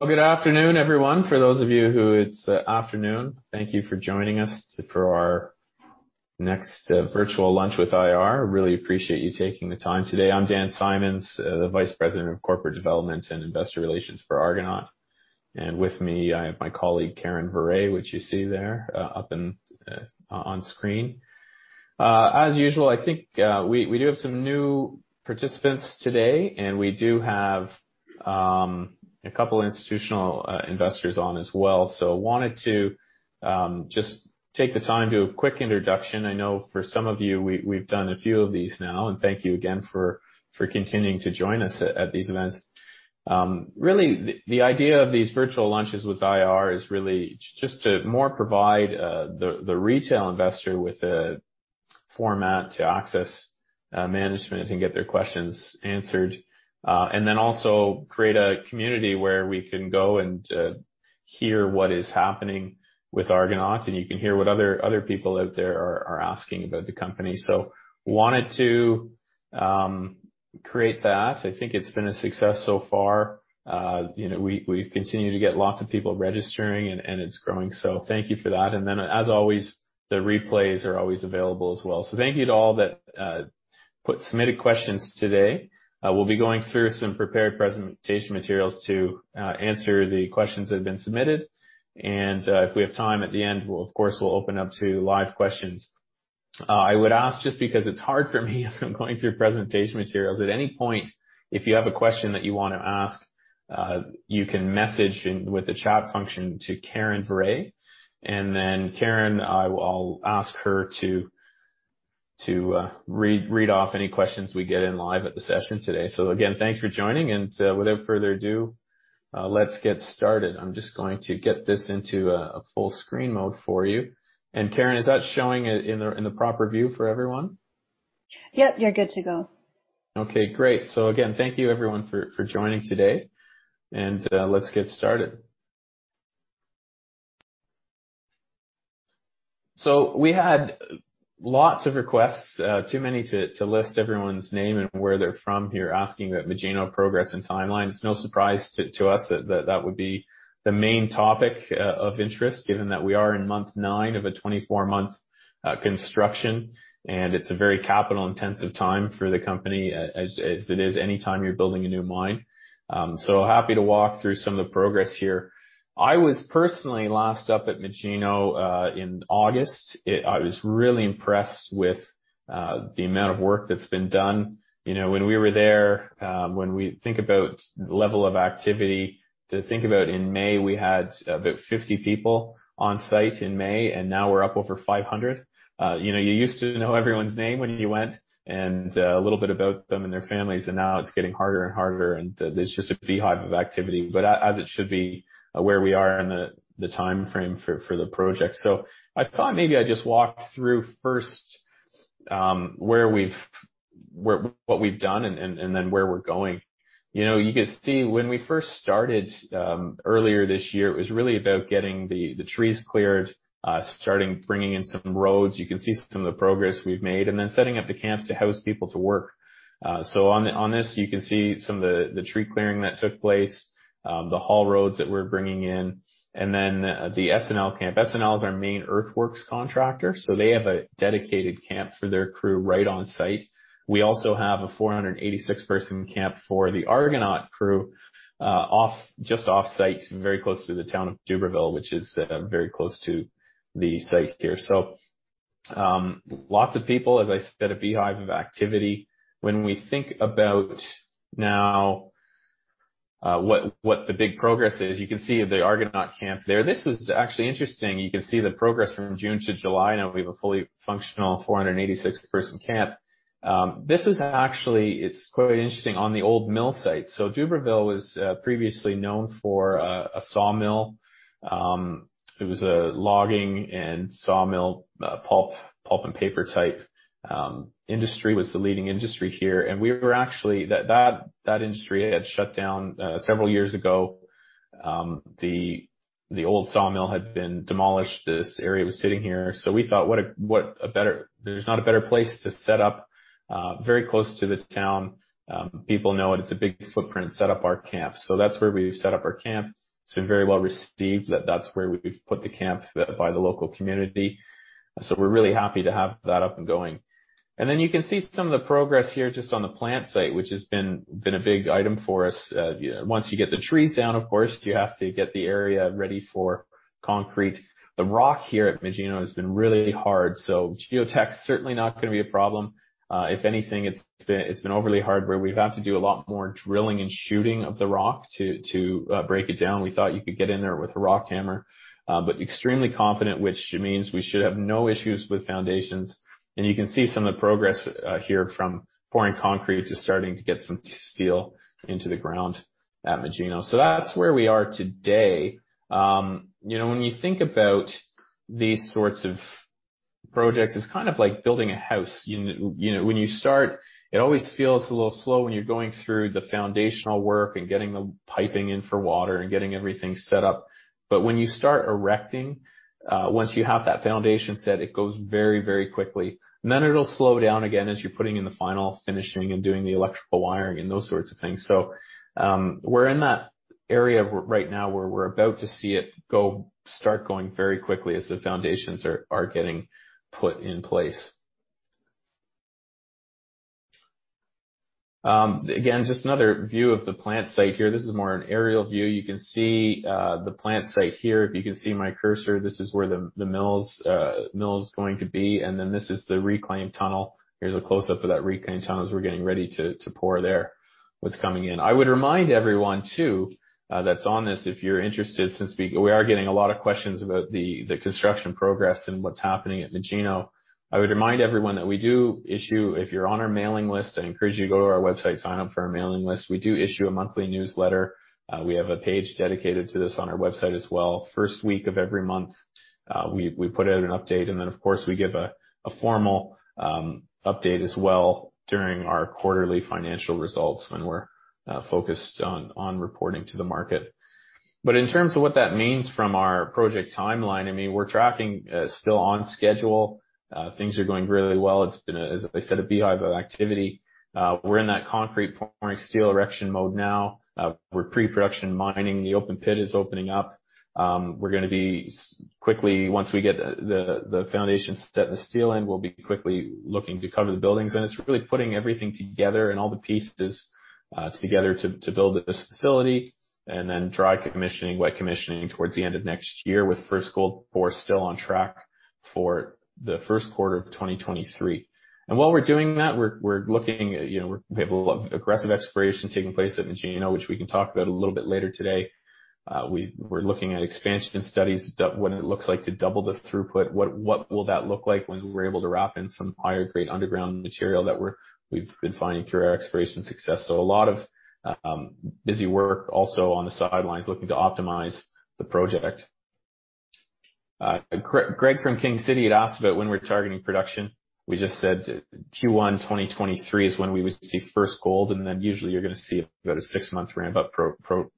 Well, good afternoon, everyone. For those of you who it's afternoon, thank you for joining us for our next virtual lunch with IR. Really appreciate you taking the time today. I'm Dan Symons, the Vice President of Corporate Development and Investor Relations for Argonaut. With me, I have my colleague, Karen Verret, which you see there up on screen. As usual, I think we do have some new participants today, and we do have a couple institutional investors on as well. Wanted to just take the time to do a quick introduction. I know for some of you, we've done a few of these now, and thank you again for continuing to join us at these events. Really, the idea of these virtual lunches with IR is really just to more provide the retail investor with a format to access management and get their questions answered. Also create a community where we can go and hear what is happening with Argonaut, and you can hear what other people out there are asking about the company. Wanted to create that. I think it's been a success so far. We've continued to get lots of people registering and it's growing. Thank you for that. As always, the replays are always available as well. Thank you to all that submitted questions today. We'll be going through some prepared presentation materials to answer the questions that have been submitted. If we have time at the end, we'll, of course, open up to live questions. I would ask, just because it's hard for me as I'm going through presentation materials, at any point, if you have a question that you want to ask, you can message with the chat function to Karen Verret, and then Karen, I'll ask her to read off any questions we get in live at the session today. Again, thanks for joining and without further ado, let's get started. I'm just going to get this into a full screen mode for you. Karen, is that showing in the proper view for everyone? Yep, you're good to go. Okay, great. Again, thank you everyone for joining today, and let's get started. We had lots of requests, too many to list everyone's name and where they're from here asking about Magino progress and timeline. It's no surprise to us that that would be the main topic of interest given that we are in month nine of a 24-month construction. It's a very capital intensive time for the company as it is any time you're building a new mine. Happy to walk through some of the progress here. I was personally last up at Magino, in August. I was really impressed with the amount of work that's been done. When we were there, when we think about level of activity to think about in May, we had about 50 people on site in May, and now we're up over 500. You used to know everyone's name when you went and a little bit about them and their families, and now it is getting harder and harder, and there is just a beehive of activity. As it should be where we are in the timeframe for the project. I thought maybe I would just walk through first what we have done and then where we are going. You can see when we first started earlier this year, it was really about getting the trees cleared, starting bringing in some roads. You can see some of the progress we have made. Then setting up the camps to house people to work. On this, you can see some of the tree clearing that took place, the haul roads that we are bringing in, and then the SNL camp. SNL is our main earthworks contractor, so they have a dedicated camp for their crew right on site. We also have a 486-person camp for the Argonaut crew just offsite very close to the town of Dubreuilville, which is very close to the site here. Lots of people, as I said, a beehive of activity. When we think about now what the big progress is, you can see the Argonaut camp there. This was actually interesting. You can see the progress from June to July. Now we have a fully functional 486-person camp. This was actually, it's quite interesting on the old mill site. Dubreuilville was previously known for a sawmill. It was a logging and sawmill, pulp and paper type industry, was the leading industry here. That industry had shut down several years ago. The old sawmill had been demolished. This area was sitting here. We thought there's not a better place to set up very close to the town. People know it. It's a big footprint to set up our camp. That's where we've set up our camp. It's been very well received that that's where we've put the camp by the local community. We're really happy to have that up and going. Then you can see some of the progress here just on the plant site, which has been a big item for us. Once you get the trees down, of course, you have to get the area ready for concrete. The rock here at Magino has been really hard, geotech's certainly not going to be a problem. If anything, it's been overly hard where we've had to do a lot more drilling and shooting of the rock to break it down. We thought you could get in there with a rock hammer. Extremely confident, which means we should have no issues with foundations. You can see some of the progress here from pouring concrete to starting to get some steel into the ground at Magino. That's where we are today. When you think about these sorts of projects, it's kind of like building a house. When you start, it always feels a little slow when you're going through the foundational work and getting the piping in for water and getting everything set up. When you start erecting, once you have that foundation set, it goes very quickly. Then it'll slow down again as you're putting in the final finishing and doing the electrical wiring and those sorts of things. We're in that area right now where we're about to see it start going very quickly as the foundations are getting put in place. Again, just another view of the plant site here. This is more an aerial view. You can see the plant site here. If you can see my cursor, this is where the mill's going to be, and then this is the reclaim tunnel. Here's a close-up of that reclaim tunnel, as we're getting ready to pour there what's coming in. I would remind everyone too that's on this, if you're interested, since we are getting a lot of questions about the construction progress and what's happening at Magino. I would remind everyone that we do issue, if you're on our mailing list, I encourage you to go to our website, sign up for our mailing list. We do issue a monthly newsletter. We have a page dedicated to this on our website as well. First week of every month, we put out an update. Of course, we give a formal update as well during our quarterly financial results when we're focused on reporting to the market. In terms of what that means from our project timeline, we're tracking still on schedule. Things are going really well. It's been, as I said, a beehive of activity. We're in that concrete pouring, steel erection mode now. We're pre-production mining. The open pit is opening up. We're going to be quickly, once we get the foundations set and the steel in, we'll be quickly looking to cover the buildings. It's really putting everything together and all the pieces together to build this facility, dry commissioning, wet commissioning towards the end of next year with first gold pour still on track for the first quarter of 2023. While we're doing that, we have a lot of aggressive exploration taking place at Magino, which we can talk about a little bit later today. We're looking at expansion studies, what it looks like to double the throughput. What will that look like when we're able to wrap in some higher grade underground material that we've been finding through our exploration success? A lot of busy work also on the sidelines, looking to optimize the project. Greg from King City had asked about when we're targeting production. We just said Q1 2023 is when we would see first gold, and then usually you're going to see about a six-month ramp-up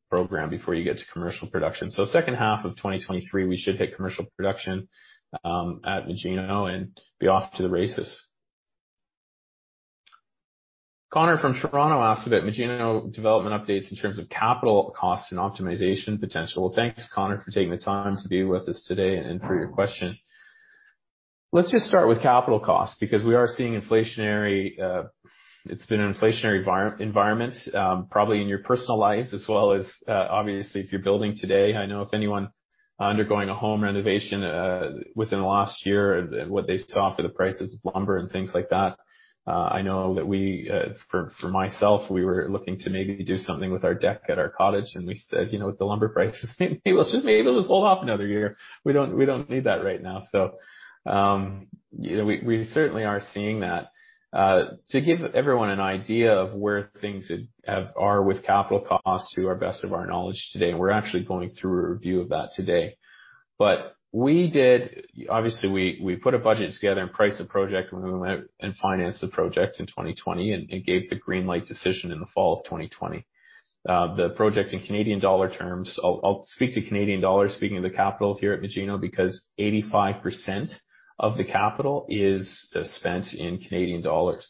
program before you get to commercial production. Second half of 2023, we should hit commercial production at Magino and be off to the races. Connor from Toronto asked about Magino development updates in terms of capital costs and optimization potential. Well, thanks, Connor, for taking the time to be with us today and for your question. Let's just start with capital costs because we are seeing inflationary It's been an inflationary environment, probably in your personal lives as well as obviously if you're building today. I know if anyone undergoing a home renovation within the last year, what they saw for the prices of lumber and things like that. I know that we, for myself, we were looking to maybe do something with our deck at our cottage and we said, "With the lumber prices, maybe we'll just hold off another year. We don't need that right now." We certainly are seeing that. To give everyone an idea of where things are with capital costs to our best of our knowledge today, we're actually going through a review of that today. We did, obviously we put a budget together and priced the project when we went and financed the project in 2020, it gave the green light decision in the fall of 2020. The project in Canadian dollar terms, I'll speak to Canadian dollars, speaking of the capital here at Magino, because 85% of the capital is spent in Canadian dollars.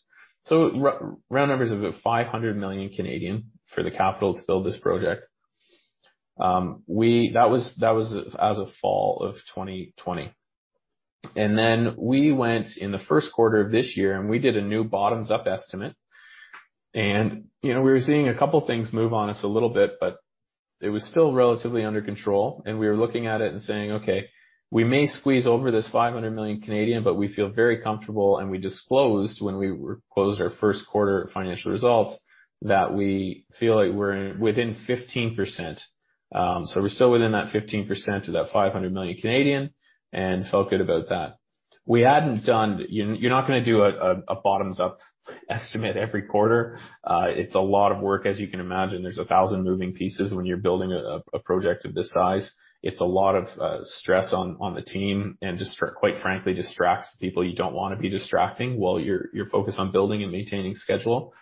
Round numbers of about 500 million for the capital to build this project. That was as of fall of 2020. We went in the first quarter of this year, and we did a new bottoms up estimate. We were seeing a couple things move on us a little bit, but it was still relatively under control, and we were looking at it and saying, "Okay, we may squeeze over this 500 million, but we feel very comfortable." We disclosed when we closed our first quarter financial results that we feel like we're within 15%. We're still within that 15% of that 500 million and felt good about that. You're not going to do a bottoms up estimate every quarter. It's a lot of work. As you can imagine, there's 1,000 moving pieces when you're building a project of this size. It's a lot of stress on the team and quite frankly, distracts people you don't want to be distracting while you're focused on building and maintaining schedule.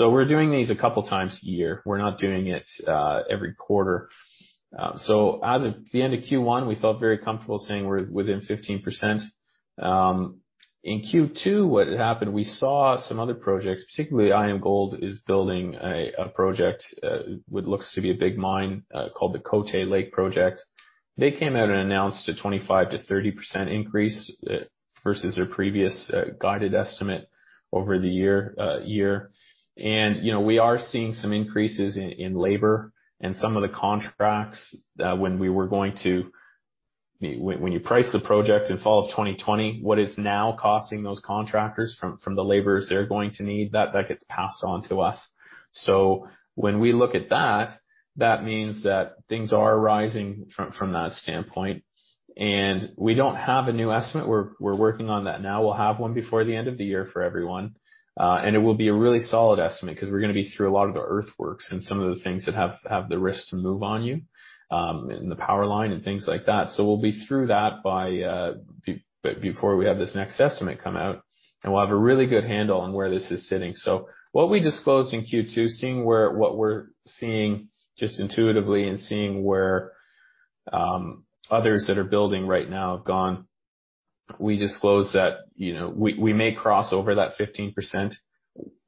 We're doing these a couple times a year. We're not doing it every quarter. As of the end of Q1, we felt very comfortable saying we're within 15%. In Q2, what had happened, we saw some other projects, particularly IAMGOLD is building a project, what looks to be a big mine, called the Côté Gold Project. They came out and announced a 25%-30% increase versus their previous guided estimate over the year. We are seeing some increases in labor and some of the contracts, when you priced the project in fall of 2020, what is now costing those contractors from the laborers they're going to need, that gets passed on to us. When we look at that means that things are rising from that standpoint. We don't have a new estimate. We're working on that now. We'll have one before the end of the year for everyone. It will be a really solid estimate because we're going to be through a lot of the earthworks and some of the things that have the risk to move on you, and the power line and things like that. We'll be through that before we have this next estimate come out. We'll have a really good handle on where this is sitting. What we disclosed in Q2, seeing what we're seeing just intuitively and seeing where others that are building right now have gone. We disclose that we may cross over that 15%.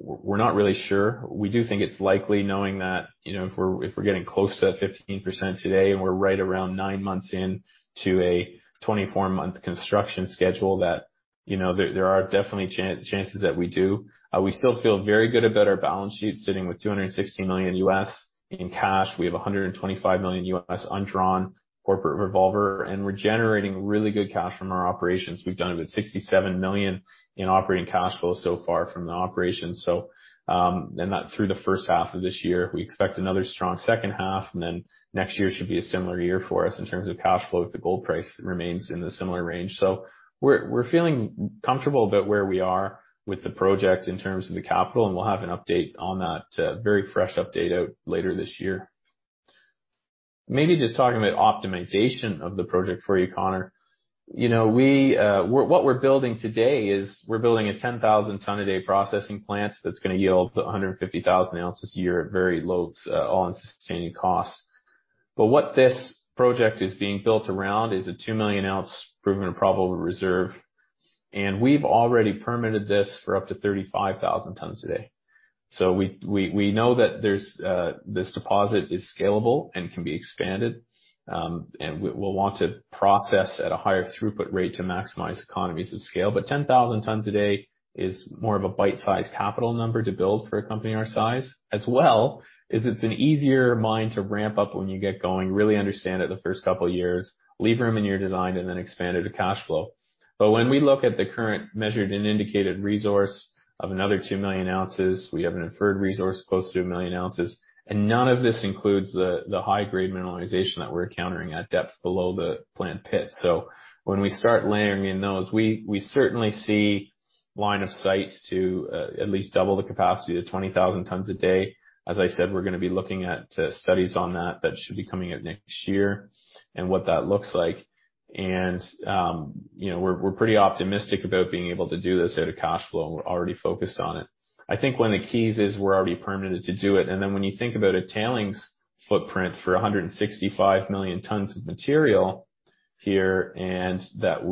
We're not really sure. We do think it's likely knowing that if we're getting close to that 15% today, and we're right around nine months in to a 24-month construction schedule, that there are definitely chances that we do. We still feel very good about our balance sheet sitting with $260 million. in cash. We have $125 million undrawn corporate revolver, and we're generating really good cash from our operations. We've done about $67 million in operating cash flow so far from the operations. That through the first half of this year. We expect another strong second half, and then next year should be a similar year for us in terms of cash flow, if the gold price remains in the similar range. We're feeling comfortable about where we are with the project in terms of the capital, and we'll have an update on that, a very fresh update out later this year. Maybe just talking about optimization of the project for you, Connor. What we're building today is we're building a 10,000 tonne a day processing plant that's going to yield 150,000 oz a year at very low all-in sustaining costs. What this project is being built around is a 2 million oz proven and probable reserve, and we've already permitted this for up to 35,000 tonnes a day. We know that this deposit is scalable and can be expanded. We'll want to process at a higher throughput rate to maximize economies of scale. 10,000 tonnes a day is more of a bite-sized capital number to build for a company our size. As well, it's an easier mine to ramp up when you get going, really understand it the first couple of years, leave room in your design, and then expand it to cash flow. When we look at the current measured and indicated resource of another 2 million oz, we have an inferred resource close to 1 million oz, and none of this includes the high-grade mineralization that we're encountering at depth below the plant pit. When we start layering in those, we certainly see line of sights to at least double the capacity to 20,000 tonnes a day. As I said, we're going to be looking at studies on that. That should be coming out next year, and what that looks like. We're pretty optimistic about being able to do this out of cash flow. We're already focused on it. I think one of the keys is we're already permitted to do it. When you think about a tailings footprint for 165 million tonnes of material here, and our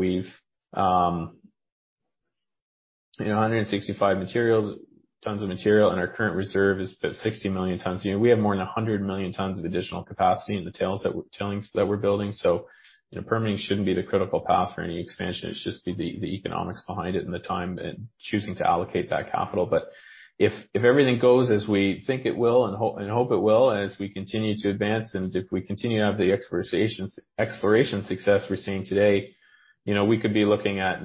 current reserve is about 60 million tonnes. We have more than 100 million tonnes of additional capacity in the tailings that we're building. Permitting shouldn't be the critical path for any expansion. It's just the economics behind it and the time and choosing to allocate that capital. If everything goes as we think it will and hope it will as we continue to advance, and if we continue to have the exploration success we're seeing today, we could be looking at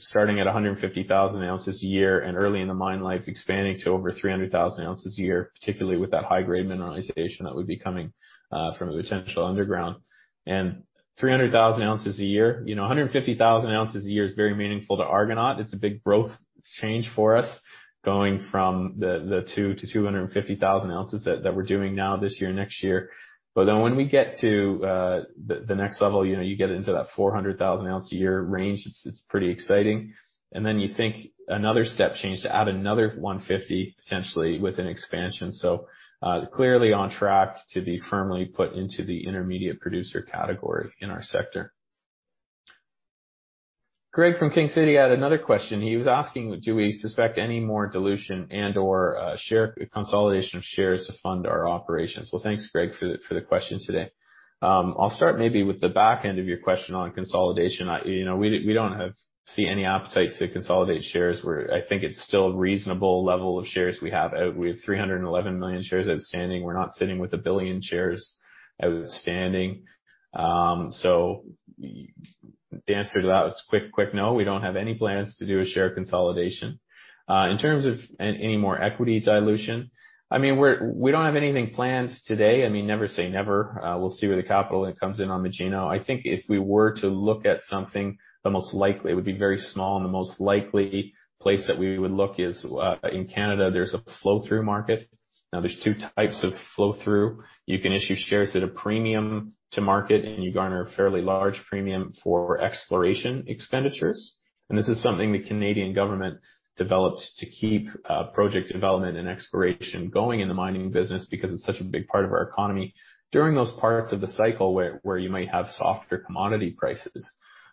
starting at 150,000 oz a year, and early in the mine life, expanding to over 300,000 oz a year, particularly with that high-grade mineralization that would be coming from a potential underground. 300,000 oz a year, 150,000 oz a year is very meaningful to Argonaut. It's a big growth change for us going from the 200,000 oz to 250,000 oz that we're doing now, this year, next year. When we get to the next level, you get into that 400,000 oz a year range, it's pretty exciting. You think another step change to add another 150,000 oz, potentially, with an expansion. Clearly on track to be firmly put into the intermediate producer category in our sector. Greg from King City had another question. He was asking, do we suspect any more dilution and/or consolidation of shares to fund our operations? Thanks, Greg, for the question today. I'll start maybe with the back end of your question on consolidation. We don't see any appetite to consolidate shares. I think it's still a reasonable level of shares we have out. We have 311 million shares outstanding. We're not sitting with a billion shares outstanding. The answer to that is quick no. We don't have any plans to do a share consolidation. In terms of any more equity dilution, we don't have anything planned today. Never say never. We'll see where the capital hit comes in on Magino. I think if we were to look at something, the most likely, it would be very small, and the most likely place that we would look is in Canada. There's a flow-through market. There's two types of flow-through. You can issue shares at a premium to market, and you garner a fairly large premium for exploration expenditures. This is something the Canadian government developed to keep project development and exploration going in the mining business because it's such a big part of our economy during those parts of the cycle where you might have softer commodity prices.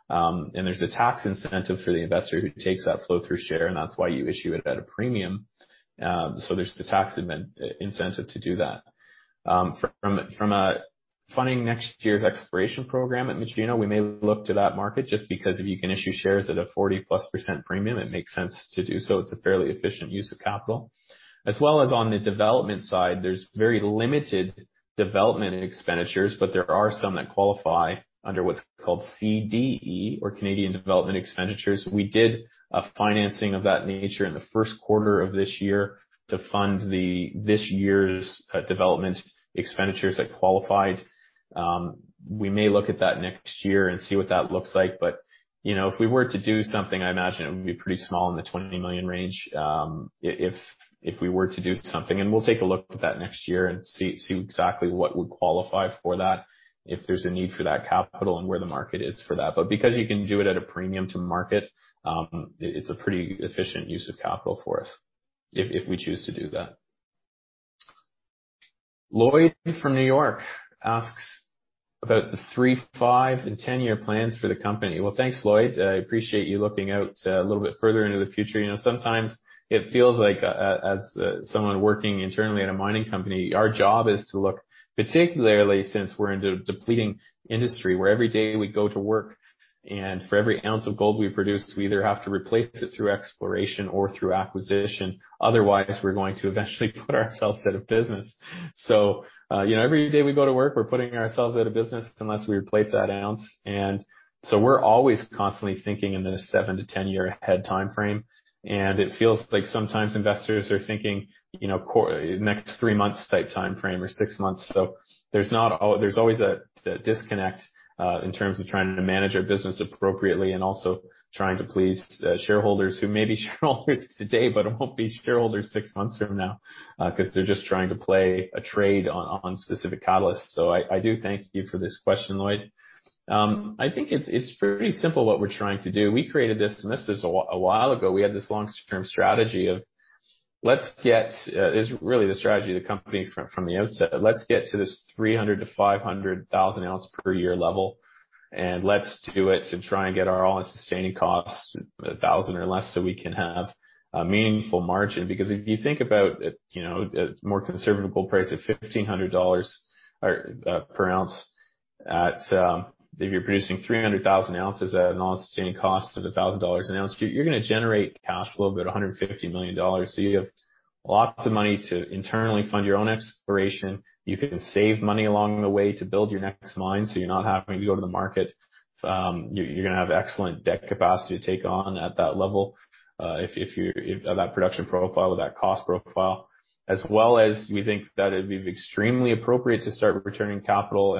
There's a tax incentive for the investor who takes that flow-through share, and that's why you issue it at a premium. There's the tax incentive to do that. From a funding next year's exploration program at Magino, we may look to that market just because if you can issue shares at a 40+% premium, it makes sense to do so. It's a fairly efficient use of capital. As well as on the development side, there's very limited development in expenditures, but there are some that qualify under what's called CDE or Canadian Development Expenditures. We did a financing of that nature in the first quarter of this year to fund this year's development expenditures that qualified. We may look at that next year and see what that looks like. If we were to do something, I imagine it would be pretty small in the 20 million range if we were to do something. We'll take a look at that next year and see exactly what would qualify for that, if there's a need for that capital and where the market is for that. Because you can do it at a premium to market, it's a pretty efficient use of capital for us if we choose to do that. Lloyd from New York asks about the three, five, and 10-year plans for the company. Well, thanks, Lloyd. I appreciate you looking out a little bit further into the future. Sometimes it feels like, as someone working internally at a mining company, our job is to look, particularly since we're in a depleting industry, where every day we go to work, and for every ounce of gold we produce, we either have to replace it through exploration or through acquisition. Otherwise, we're going to eventually put ourselves out of business. Every day we go to work, we're putting ourselves out of business unless we replace that ounce. We're always constantly thinking in the 7-10-year ahead timeframe. It feels like sometimes investors are thinking, next three months type timeframe or six months. There's always a disconnect, in terms of trying to manage our business appropriately and also trying to please shareholders, who may be shareholders today but won't be shareholders six months from now, because they're just trying to play a trade on specific catalysts. I do thank you for this question, Lloyd. I think it's pretty simple what we're trying to do. We created this, and this is a while ago. We had this long-term strategy of. It was really the strategy of the company from the outset. Let's get to these 300,000 oz-500,000 oz per year level, and let's do it to try and get our all-in sustaining costs at 1,000 or less, so we can have a meaningful margin. If you think about a more conservative gold price of 1,500 dollars per ounce at, if you're producing 300,000 oz at an all-in sustaining cost of 1,000 dollars an ounce, you're going to generate cash flow of about 150 million dollars. You have lots of money to internally fund your own exploration. You can save money along the way to build your next mine, so you're not having to go to the market. You're going to have excellent debt capacity to take on at that level, if you have that production profile with that cost profile. We think that it'd be extremely appropriate to start returning capital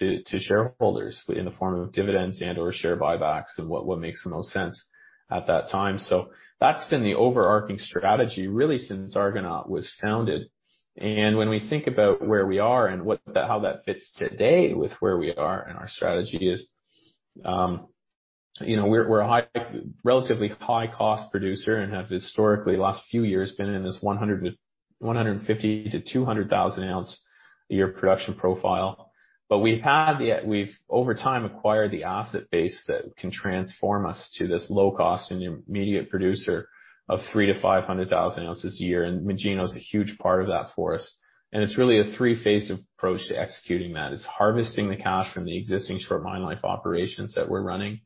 to shareholders in the form of dividends and/or share buybacks, and what makes the most sense at that time. That's been the overarching strategy, really since Argonaut was founded. When we think about where we are and how that fits today with where we are and our strategy is, we're a relatively high-cost producer and have historically, last few years, been in this 150,000 oz-200,000 oz a year production profile. We've over time acquired the asset base that can transform us to this low-cost intermediate producer of 300,000 oz-500,000 oz a year, and Magino's a huge part of that for us. It's really a three-phase approach to executing that. It's harvesting the cash from the existing short mine life operations that we're running,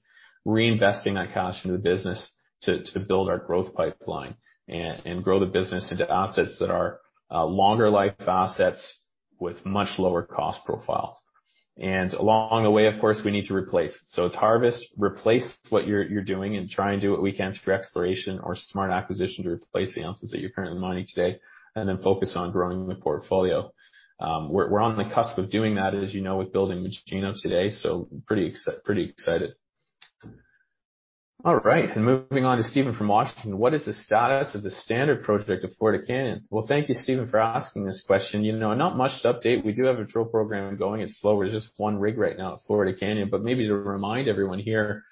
reinvesting that cash into the business to build our growth pipeline and grow the business into assets that are longer life assets with much lower cost profiles. Along the way, of course, we need to replace. It's harvest, replace what you're doing, and try and do what we can through exploration or smart acquisition to replace the ounces that you're currently mining today, and then focus on growing the portfolio. We're on the cusp of doing that, as you know, with building Magino today, pretty excited. All right, moving on to Steven from Washington. "What is the status of the Standard project of Florida Canyon?" Thank you, Steven, for asking this question. Not much to update. We do have a drill program going. It's slow. There's just one rig right now at Florida Canyon. Maybe to remind everyone here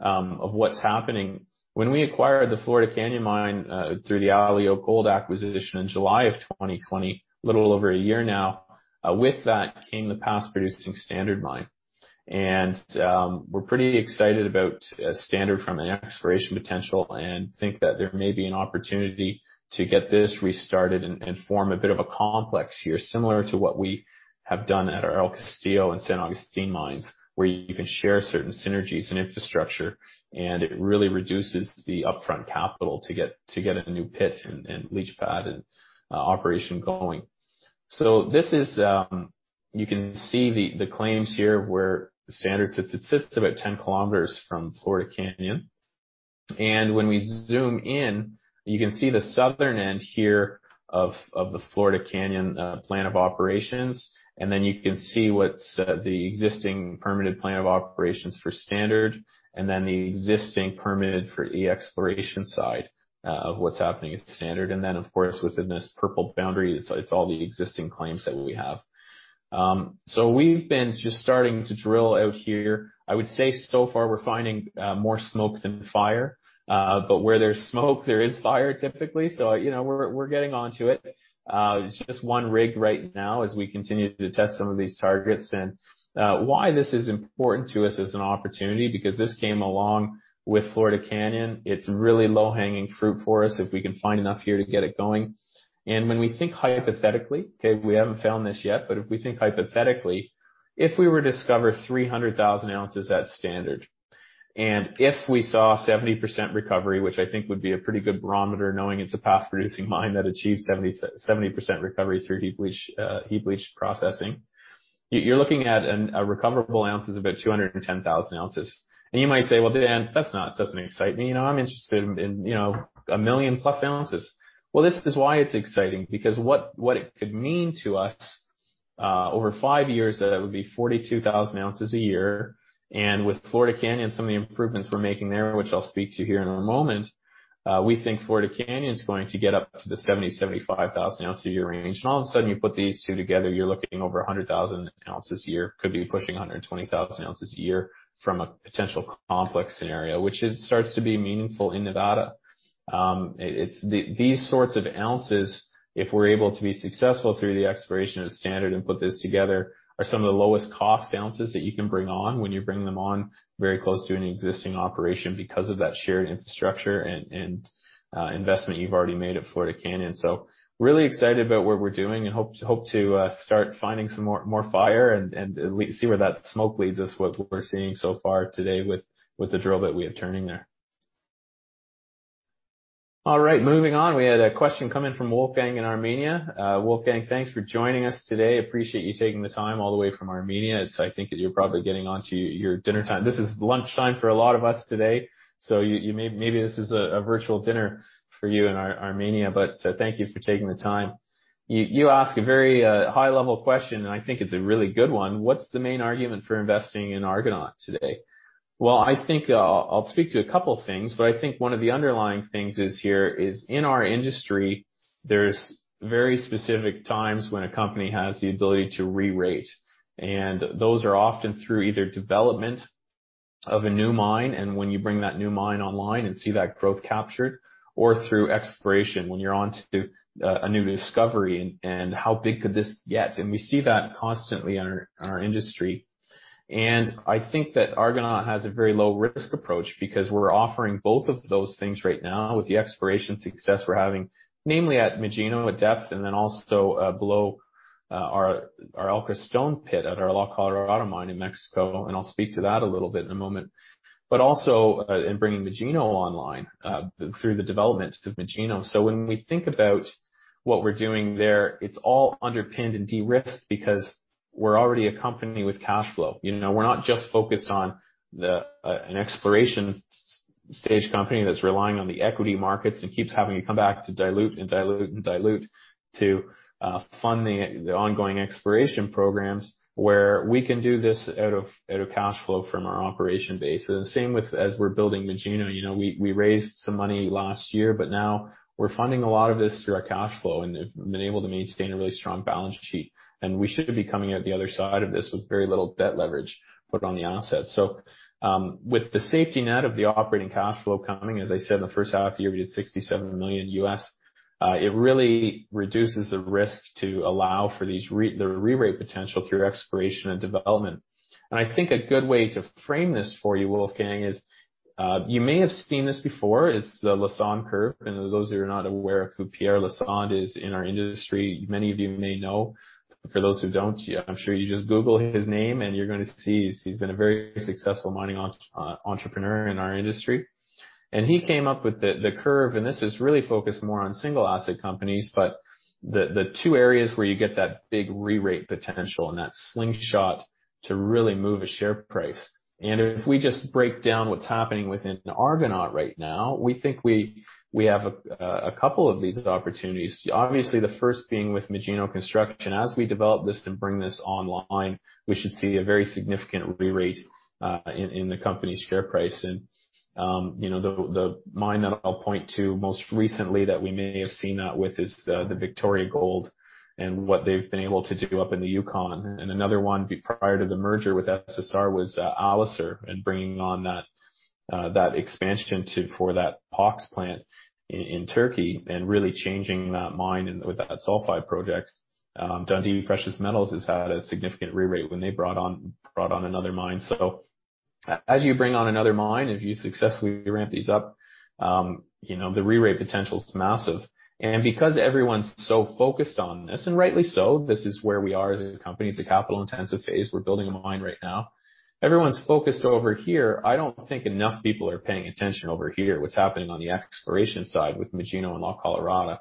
of what's happening. When we acquired the Florida Canyon mine, through the Alio Gold acquisition in July of 2020, a little over a year now, with that came the past producing Standard mine. We're pretty excited about Standard from an exploration potential and think that there may be an opportunity to get this restarted and form a bit of a complex here, similar to what we have done at El Castillo and San Agustin mines, where you can share certain synergies and infrastructure, and it really reduces the upfront capital to get a new pit and leach pad and operation going. This is, you can see the claims here of where Standard sits. It sits about 10 km from Florida Canyon. When we zoom in, you can see the southern end here of the Florida Canyon plan of operations, and then you can see what's the existing permitted plan of operations for Standard, and then the existing permitted for the exploration side of what's happening at Standard. Of course, within this purple boundary, it's all the existing claims that we have. We've been just starting to drill out here. I would say so far we're finding more smoke than fire. Where there's smoke, there is fire, typically. We're getting onto it. It's just one rig right now as we continue to test some of these targets. Why this is important to us as an opportunity, because this came along with Florida Canyon. It's really low-hanging fruit for us if we can find enough here to get it going. When we think hypothetically, okay, we haven't found this yet, but if we think hypothetically, if we were to discover 300,000 oz at Standard, and if we saw 70% recovery, which I think would be a pretty good barometer, knowing it's a past producing mine that achieved 70% recovery through heap leach processing, you're looking at recoverable ounces of about 210,000 oz. You might say, "Well, Dan, that doesn't excite me. I'm interested in a million plus ounces." Well, this is why it's exciting, because what it could mean to us. Over five years, that would be 42,000 oz a year. With Florida Canyon, some of the improvements we're making there, which I'll speak to here in a moment, we think Florida Canyon is going to get up to the 70,000 oz-75,000 oz a year range. All of a sudden, you put these two together, you're looking over 100,000 oz a year. Could be pushing 120,000 oz a year from a potential complex scenario, which starts to be meaningful in Nevada. These sorts of ounces, if we're able to be successful through the exploration of standard and put this together, are some of the lowest cost ounces that you can bring on when you bring them on very close to an existing operation because of that shared infrastructure and investment you've already made at Florida Canyon. Really excited about what we're doing and hope to start finding some more fire and at least see where that smoke leads us, what we're seeing so far today with the drill that we have turning there. Moving on. We had a question come in from Wolfgang in Armenia. Wolfgang, thanks for joining us today. Appreciate you taking the time all the way from Armenia. I think that you're probably getting on to your dinner time. This is lunchtime for a lot of us today. Maybe this is a virtual dinner for you in Armenia, but thank you for taking the time. You ask a very high level question, and I think it's a really good one. What's the main argument for investing in Argonaut today? I think I'll speak to a couple things, but I think one of the underlying things is here is in our industry, there's very specific times when a company has the ability to re-rate, and those are often through either development of a new mine, and when you bring that new mine online and see that growth captured or through exploration when you're onto a new discovery and how big could this get. We see that constantly in our industry. I think that Argonaut has a very low risk approach because we're offering both of those things right now with the exploration success we're having, namely at Magino at depth, and then also below our El Creston pit at our La Colorada mine in Mexico. I'll speak to that a little bit in a moment. Also in bringing Magino online, through the development of Magino. When we think about what we're doing there, it's all underpinned and de-risked because we're already a company with cash flow. We're not just focused on an exploration stage company that's relying on the equity markets and keeps having to come back to dilute and dilute to fund the ongoing exploration programs where we can do this out of cash flow from our operation base. The same with as we're building Magino. We raised some money last year, but now we're funding a lot of this through our cash flow and have been able to maintain a really strong balance sheet. We should be coming out the other side of this with very little debt leverage put on the asset. With the safety net of the operating cash flow coming, as I said, in the first half of the year, we did $67 million. It really reduces the risk to allow for the re-rate potential through exploration and development. I think a good way to frame this for you, Wolfgang, is, you may have seen this before, it's the Lassonde curve. Those of you who are not aware of who Pierre Lassonde is in our industry, many of you may know. For those who don't, I'm sure you just Google his name and you're going to see he's been a very successful mining entrepreneur in our industry. He came up with the curve, this is really focused more on single asset companies. The two areas where you get that big re-rate potential and that slingshot to really move a share price. If we just break down what's happening within Argonaut right now, we think we have a couple of these opportunities. Obviously, the first being with Magino Construction. As we develop this and bring this online, we should see a very significant re-rate in the company's share price. The mine that I'll point to most recently that we may have seen that with is the Victoria Gold and what they've been able to do up in the Yukon. Another one prior to the merger with SSR was Alacer and bringing on that expansion for that POX plant in Turkey and really changing that mine with that sulfide project. Dundee Precious Metals has had a significant re-rate when they brought on another mine. As you bring on another mine, if you successfully ramp these up, the re-rate potential is massive. Because everyone's so focused on this, and rightly so, this is where we are as a company. It's a capital intensive phase. We're building a mine right now. Everyone's focused over here. I don't think enough people are paying attention over here, what's happening on the exploration side with Magino and La Colorada.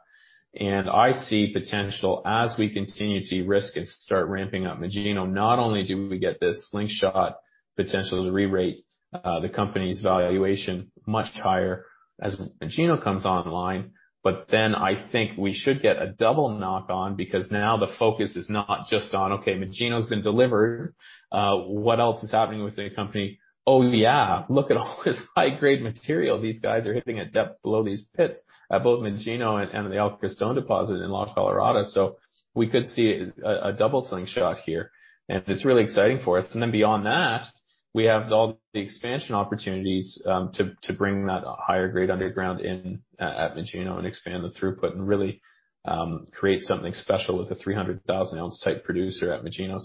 I see potential as we continue de-risk and start ramping up Magino. Not only do we get this slingshot potential to re-rate the company's valuation much higher as Magino comes online, I think we should get a double knock on because now the focus is not just on, okay, Magino's been delivered, what else is happening within the company? Oh, yeah, look at all this high grade material these guys are hitting at depth below these pits at both Magino and the El Creston deposit in La Colorada. We could see a double slingshot here, and it's really exciting for us. Beyond that, we have all the expansion opportunities to bring that higher grade underground in at Magino and expand the throughput and really create something special with a 300,000 oz type producer at Magino.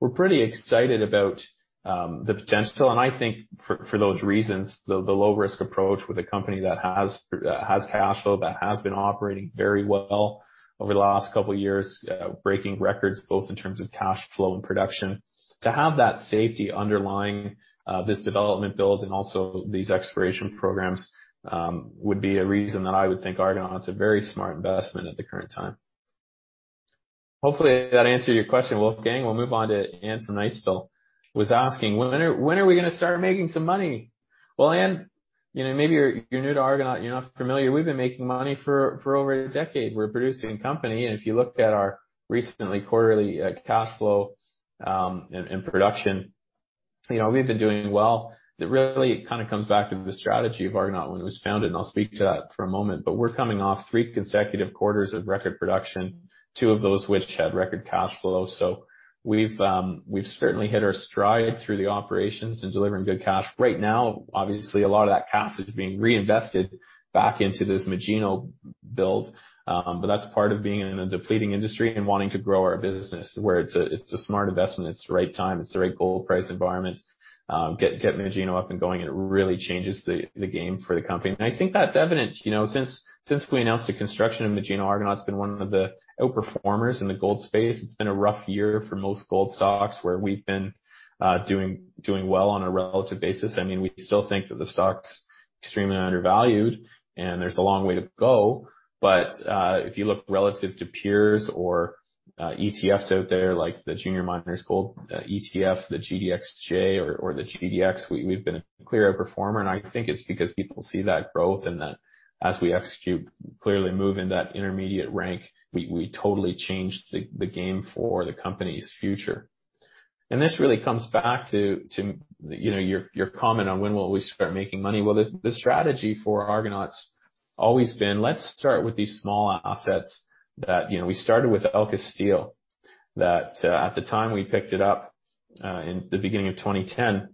We're pretty excited about the potential. I think for those reasons, the low risk approach with a company that has cash flow, that has been operating very well over the last couple of years, breaking records both in terms of cash flow and production. To have that safety underlying this development build and also these exploration programs, would be a reason that I would think Argonaut Gold's a very smart investment at the current time. Hopefully that answered your question, Wolfgang. We'll move on to Anne from Knoxville, was asking, "When are we going to start making some money?" Well, Anne, maybe you're new to Argonaut Gold. You're not familiar. We've been making money for over a decade. We're a producing company, and if you look at our recent quarterly cash flow and production, we've been doing well. It really comes back to the strategy of Argonaut when it was founded. I'll speak to that for a moment. We're coming off three consecutive quarters of record production, two of those which had record cash flow. We've certainly hit our stride through the operations and delivering good cash. Right now, obviously, a lot of that cash is being reinvested back into this Magino build. That's part of being in a depleting industry and wanting to grow our business where it's a smart investment, it's the right time, it's the right gold price environment. Get Magino up and going, it really changes the game for the company. I think that's evident. Since we announced the construction of Magino, Argonaut's been one of the outperformers in the gold space. It's been a rough year for most gold stocks, where we've been doing well on a relative basis. We still think that the stock's extremely undervalued, and there's a long way to go. If you look relative to peers or ETFs out there, like the Junior Miners Gold ETF, the GDXJ or the GDX, we've been a clear out-performer, and I think it's because people see that growth and that as we execute, clearly move in that intermediate rank, we totally change the game for the company's future. This really comes back to your comment on when will we start making money. The strategy for Argonaut's always been, let's start with these small assets that we started with El Castillo, that at the time we picked it up in the beginning of 2010,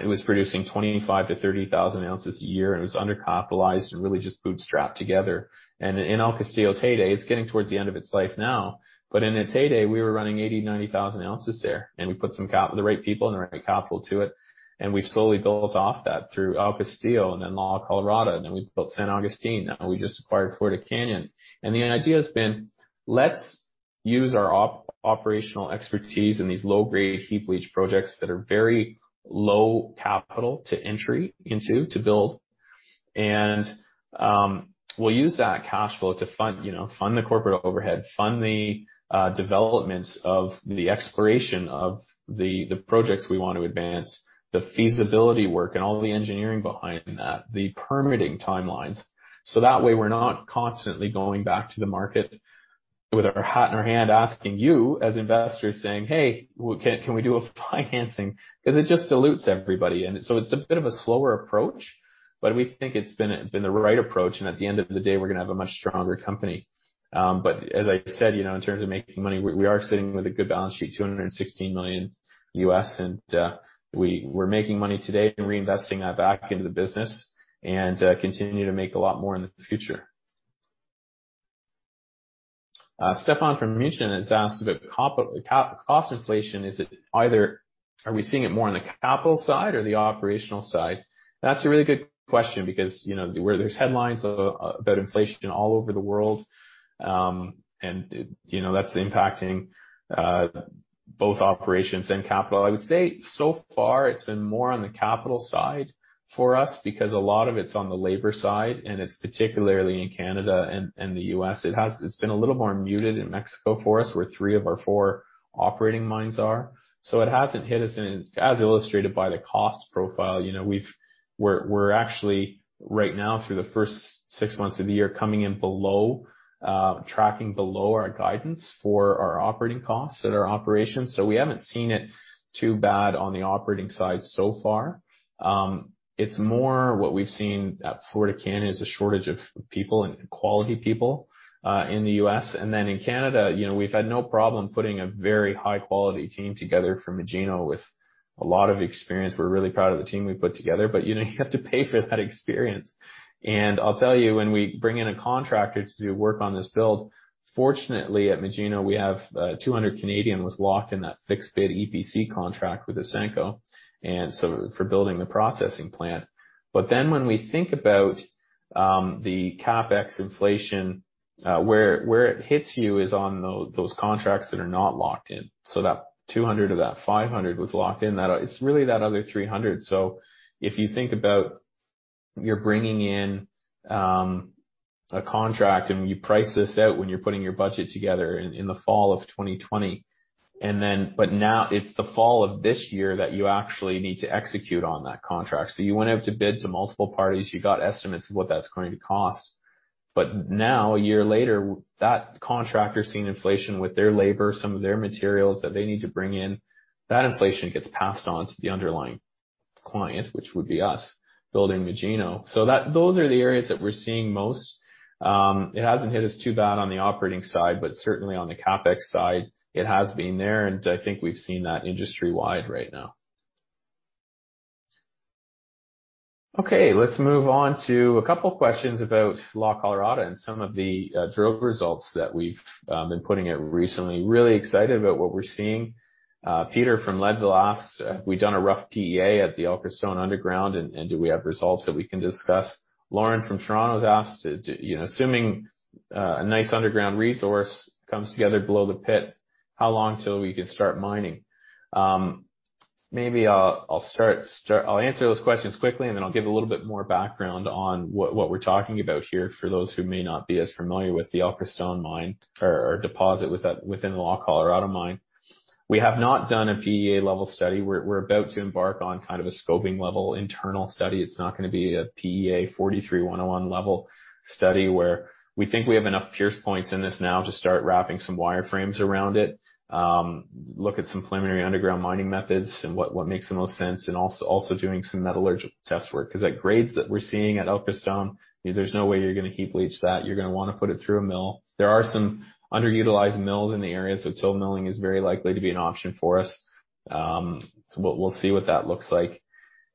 it was producing 25,000 oz-30,000 oz a year, and it was undercapitalized and really just bootstrapped together. In El Castillo's heyday, it's getting towards the end of its life now, but in its heyday, we were running 80,000 oz, 90,000 oz there, and we put the right people and the right capital to it. We've slowly built off that through El Castillo and then La Colorada, and then we built San Agustín. Now we just acquired Florida Canyon. The idea has been, let's use our operational expertise in these low-grade heap leach projects that are very low capital to entry into to build. We'll use that cash flow to fund the corporate overhead, fund the developments of the exploration of the projects we want to advance, the feasibility work, and all the engineering behind that, the permitting timelines. That way, we're not constantly going back to the market with our hat in our hand, asking you as investors, saying, "Hey, can we do a financing?" It just dilutes everybody. It's a bit of a slower approach, but we think it's been the right approach, and at the end of the day, we're going to have a much stronger company. As I said, in terms of making money, we are sitting with a good balance sheet, $216 million, and we're making money today and reinvesting that back into the business and continue to make a lot more in the future. Stefan from Munich has asked about cost inflation. Are we seeing it more on the capital side or the operational side? That's a really good question because there's headlines about inflation all over the world. That's impacting both operations and capital. I would say so far it's been more on the capital side for us because a lot of it's on the labor side, and it's particularly in Canada and the U.S. It's been a little more muted in Mexico for us, where three of our four operating mines are. It hasn't hit us, and as illustrated by the cost profile, we're actually right now, through the first six months of the year, coming in below, tracking below our guidance for our operating costs at our operations. We haven't seen it too bad on the operating side so far. It's more what we've seen at Florida Canyon is a shortage of people and quality people in the U.S. In Canada, we've had no problem putting a very high-quality team together for Magino with a lot of experience. We're really proud of the team we put together, you have to pay for that experience. I'll tell you, when we bring in a contractor to do work on this build, fortunately at Magino, we have 200 was locked in that fixed bid EPC contract with Ausenco for building the processing plant. When we think about the CapEx inflation, where it hits you is on those contracts that are not locked in. That 200 of that 500 was locked in. It's really that other 300. If you think about, you're bringing in a contract, and you price this out when you're putting your budget together in the fall of 2020. Now it's the fall of this year that you actually need to execute on that contract. You went out to bid to multiple parties, you got estimates of what that's going to cost. Now, a year later, that contractor's seeing inflation with their labor, some of their materials that they need to bring in, that inflation gets passed on to the underlying client, which would be us building Magino. Those are the areas that we're seeing most. It hasn't hit us too bad on the operating side, but certainly on the CapEx side, it has been there, and I think we've seen that industry-wide right now. Okay, let's move on to a couple questions about La Colorada and some of the drill results that we've been putting out recently. Really excited about what we're seeing. Peter from Leadville asked, have we done a rough PEA at the El Creston underground, and do we have results that we can discuss? Lauren from Toronto's asked, assuming a nice underground resource comes together below the pit, how long till we can start mining? Maybe I'll answer those questions quickly, and then I'll give a little bit more background on what we're talking about here for those who may not be as familiar with the El Creston mine or deposit within the La Colorada mine. We have not done a PEA level study. We're about to embark on a scoping level internal study. It's not going to be a PEA 43-101 level study where we think we have enough pierce points in this now to start wrapping some wireframes around it, look at some preliminary underground mining methods and what makes the most sense, and also doing some metallurgical test work. At grades that we're seeing at El Creston, there's no way you're going to heap leach that. You're going to want to put it through a mill. There are some underutilized mills in the area, toll milling is very likely to be an option for us. We'll see what that looks like.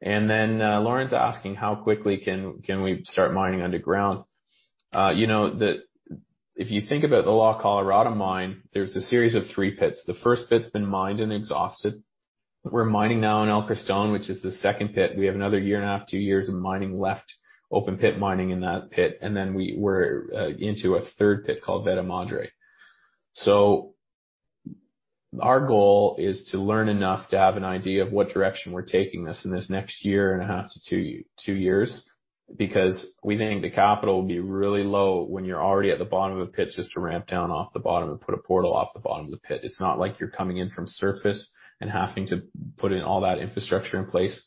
Lauren asking, "How quickly can we start mining underground?" If you think about the La Colorada mine, there's a series of three pits. The first pit's been mined and exhausted. We're mining now in El Creston, which is the second pit. We have another year and a half, two years of mining left, open pit mining in that pit. We're into a third pit called Veta Madre. Our goal is to learn enough to have an idea of what direction we're taking this in this next year and a half to two years, because we think the capital will be really low when you're already at the bottom of a pit, just to ramp down off the bottom and put a portal off the bottom of the pit. It's not like you're coming in from surface and having to put in all that infrastructure in place.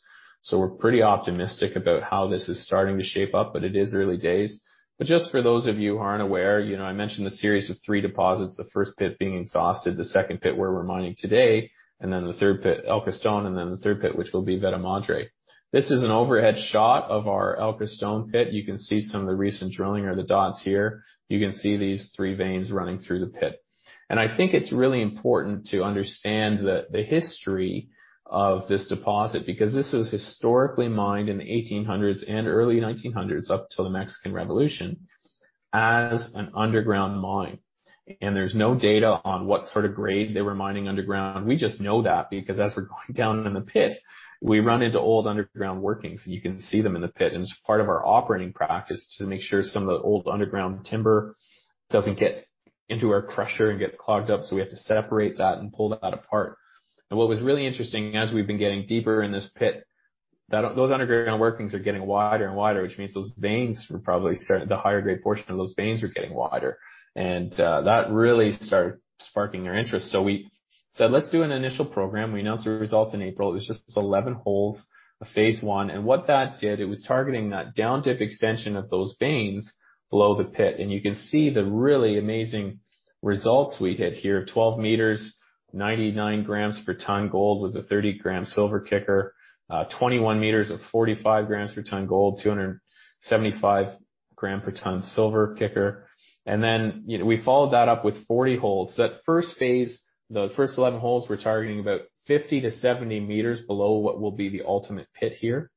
We're pretty optimistic about how this is starting to shape up, but it is early days. Just for those of you who aren't aware, I mentioned the series of three deposits, the first pit being exhausted, the second pit where we're mining today, and then the third pit, El Creston, and then the third pit, which will be Veta Madre. This is an overhead shot of our El Creston pit. You can see some of the recent drilling are the dots here. You can see these three veins running through the pit. I think it's really important to understand the history of this deposit, because this was historically mined in the 1800s and early 1900s up till the Mexican Revolution as an underground mine. There's no data on what sort of grade they were mining underground. We just know that because as we're going down in the pit, we run into old underground workings, and you can see them in the pit. It's part of our operating practice to make sure some of the old underground timber doesn't get into our crusher and get clogged up, so we have to separate that and pull that apart. What was really interesting, as we've been getting deeper in this pit, those underground workings are getting wider and wider, which means those veins were probably the higher-grade portion of those veins were getting wider. That really started sparking our interest. We said, "Let's do an initial program." We announced the results in April. It was just 11 holes, a phase I. What that did, it was targeting that down-dip extension of those veins below the pit. You can see the really amazing results we hit here. 12 m, 99 g per ton gold with a 30-g silver kicker. 21 m of 45 g per ton gold, 275 g per ton silver kicker. We followed that up with 40 holes. That first phase, the first 11 holes were targeting about 50 m-70 m below what will be the ultimate pit here.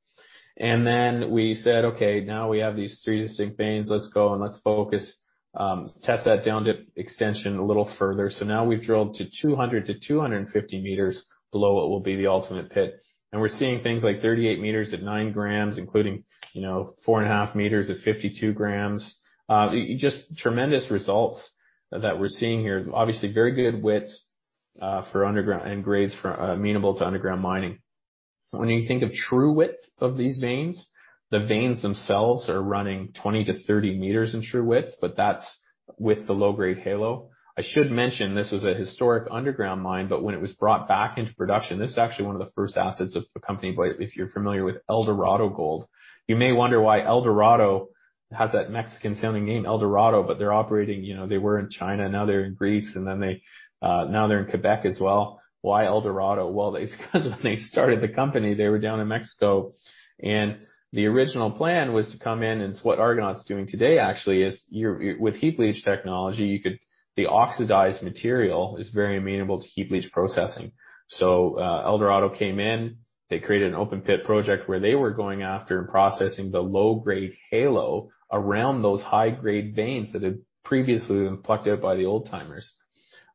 We said, "Okay, now we have these three distinct veins. Let's go and let's focus, test that down-dip extension a little further." Now we've drilled to 200m-250 m below what will be the ultimate pit. We're seeing things like 38 m at 9 g, including, 4.5 m at 52 g. Just tremendous results that we're seeing here. Obviously, very good widths, and grades amenable to underground mining. When you think of true width of these veins, the veins themselves are running 20 m-30 m in true width, but that's with the low-grade halo. I should mention, this was a historic underground mine, but when it was brought back into production, this was actually one of the first assets of the company. If you're familiar with Eldorado Gold, you may wonder why Eldorado has that Mexican-sounding name, Eldorado, but they're operating. They were in China, now they're in Greece, and then now they're in Quebec as well. Why Eldorado? It's because when they started the company, they were down in Mexico, and the original plan was to come in, and it's what Argonaut's doing today, actually, is with heap leach technology, the oxidized material is very amenable to heap leach processing. Eldorado came in, they created an open pit project where they were going after and processing the low-grade halo around those high-grade veins that had previously been plucked out by the old-timers.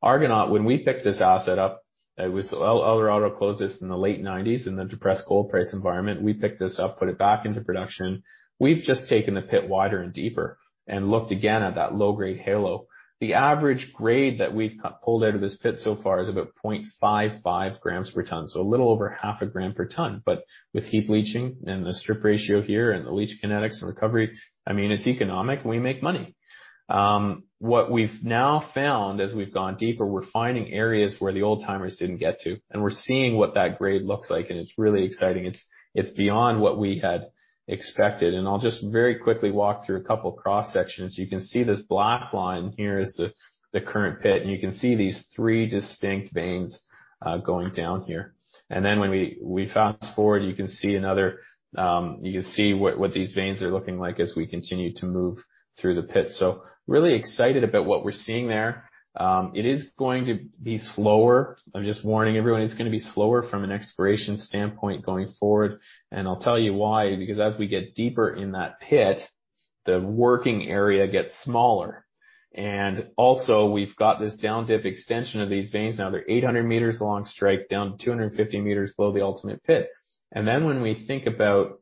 Argonaut, when we picked this asset up, Eldorado closed this in the late 1990s in the depressed gold price environment. We picked this up, put it back into production. We've just taken the pit wider and deeper and looked again at that low-grade halo. The average grade that we've pulled out of this pit so far is about 0.55 g per ton, so a little over half a gram per ton. With heap leaching and the strip ratio here and the leach kinetics and recovery, it's economic. We make money. What we've now found as we've gone deeper, we're finding areas where the old-timers didn't get to, and we're seeing what that grade looks like, and it's really exciting. It's beyond what we had expected. I'll just very quickly walk through two cross-sections. You can see this black line here is the current pit, and you can see these three distinct veins going down here. When we fast-forward, you can see what these veins are looking like as we continue to move through the pit. Really excited about what we're seeing there. It is going to be slower. I'm just warning everyone, it's going to be slower from an exploration standpoint going forward. I'll tell you why. Because as we get deeper in that pit, the working area gets smaller. Also, we've got this down-dip extension of these veins now. They're 800 m long strike down 250 m below the ultimate pit. When we think about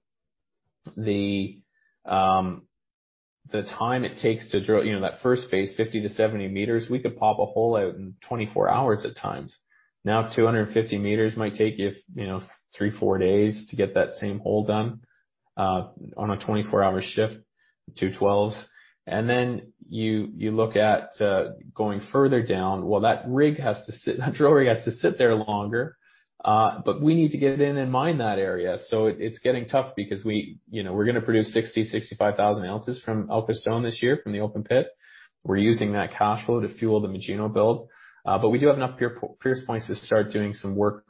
the time it takes to drill that first phase, 50 m-70 m, we could pop a hole out in 24 hours at times. 250 m might take you three, four days to get that same hole done. On a 24-hour shift, 2 12s. You look at going further down. Well, that driller has to sit there longer, we need to get in and mine that area. It's getting tough because we're going to produce 60,000 oz-65,000 oz from El Creston this year from the open pit. We're using that cash flow to fuel the Magino build. We do have enough pierce points to start doing some work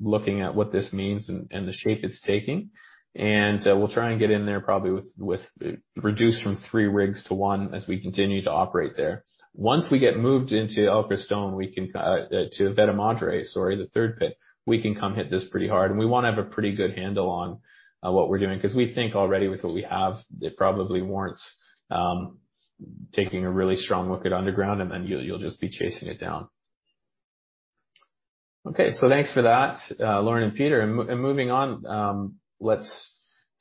looking at what this means and the shape it's taking. We'll try and get in there probably with, reduce from three rigs to one as we continue to operate there. Once we get moved into El Creston, to Veta Madre, sorry, the third pit, we can come hit this pretty hard. We want to have a pretty good handle on what we're doing, because we think already with what we have, it probably warrants taking a really strong look at underground, and then you'll just be chasing it down. Thanks for that, Lauren and Peter. Moving on, let's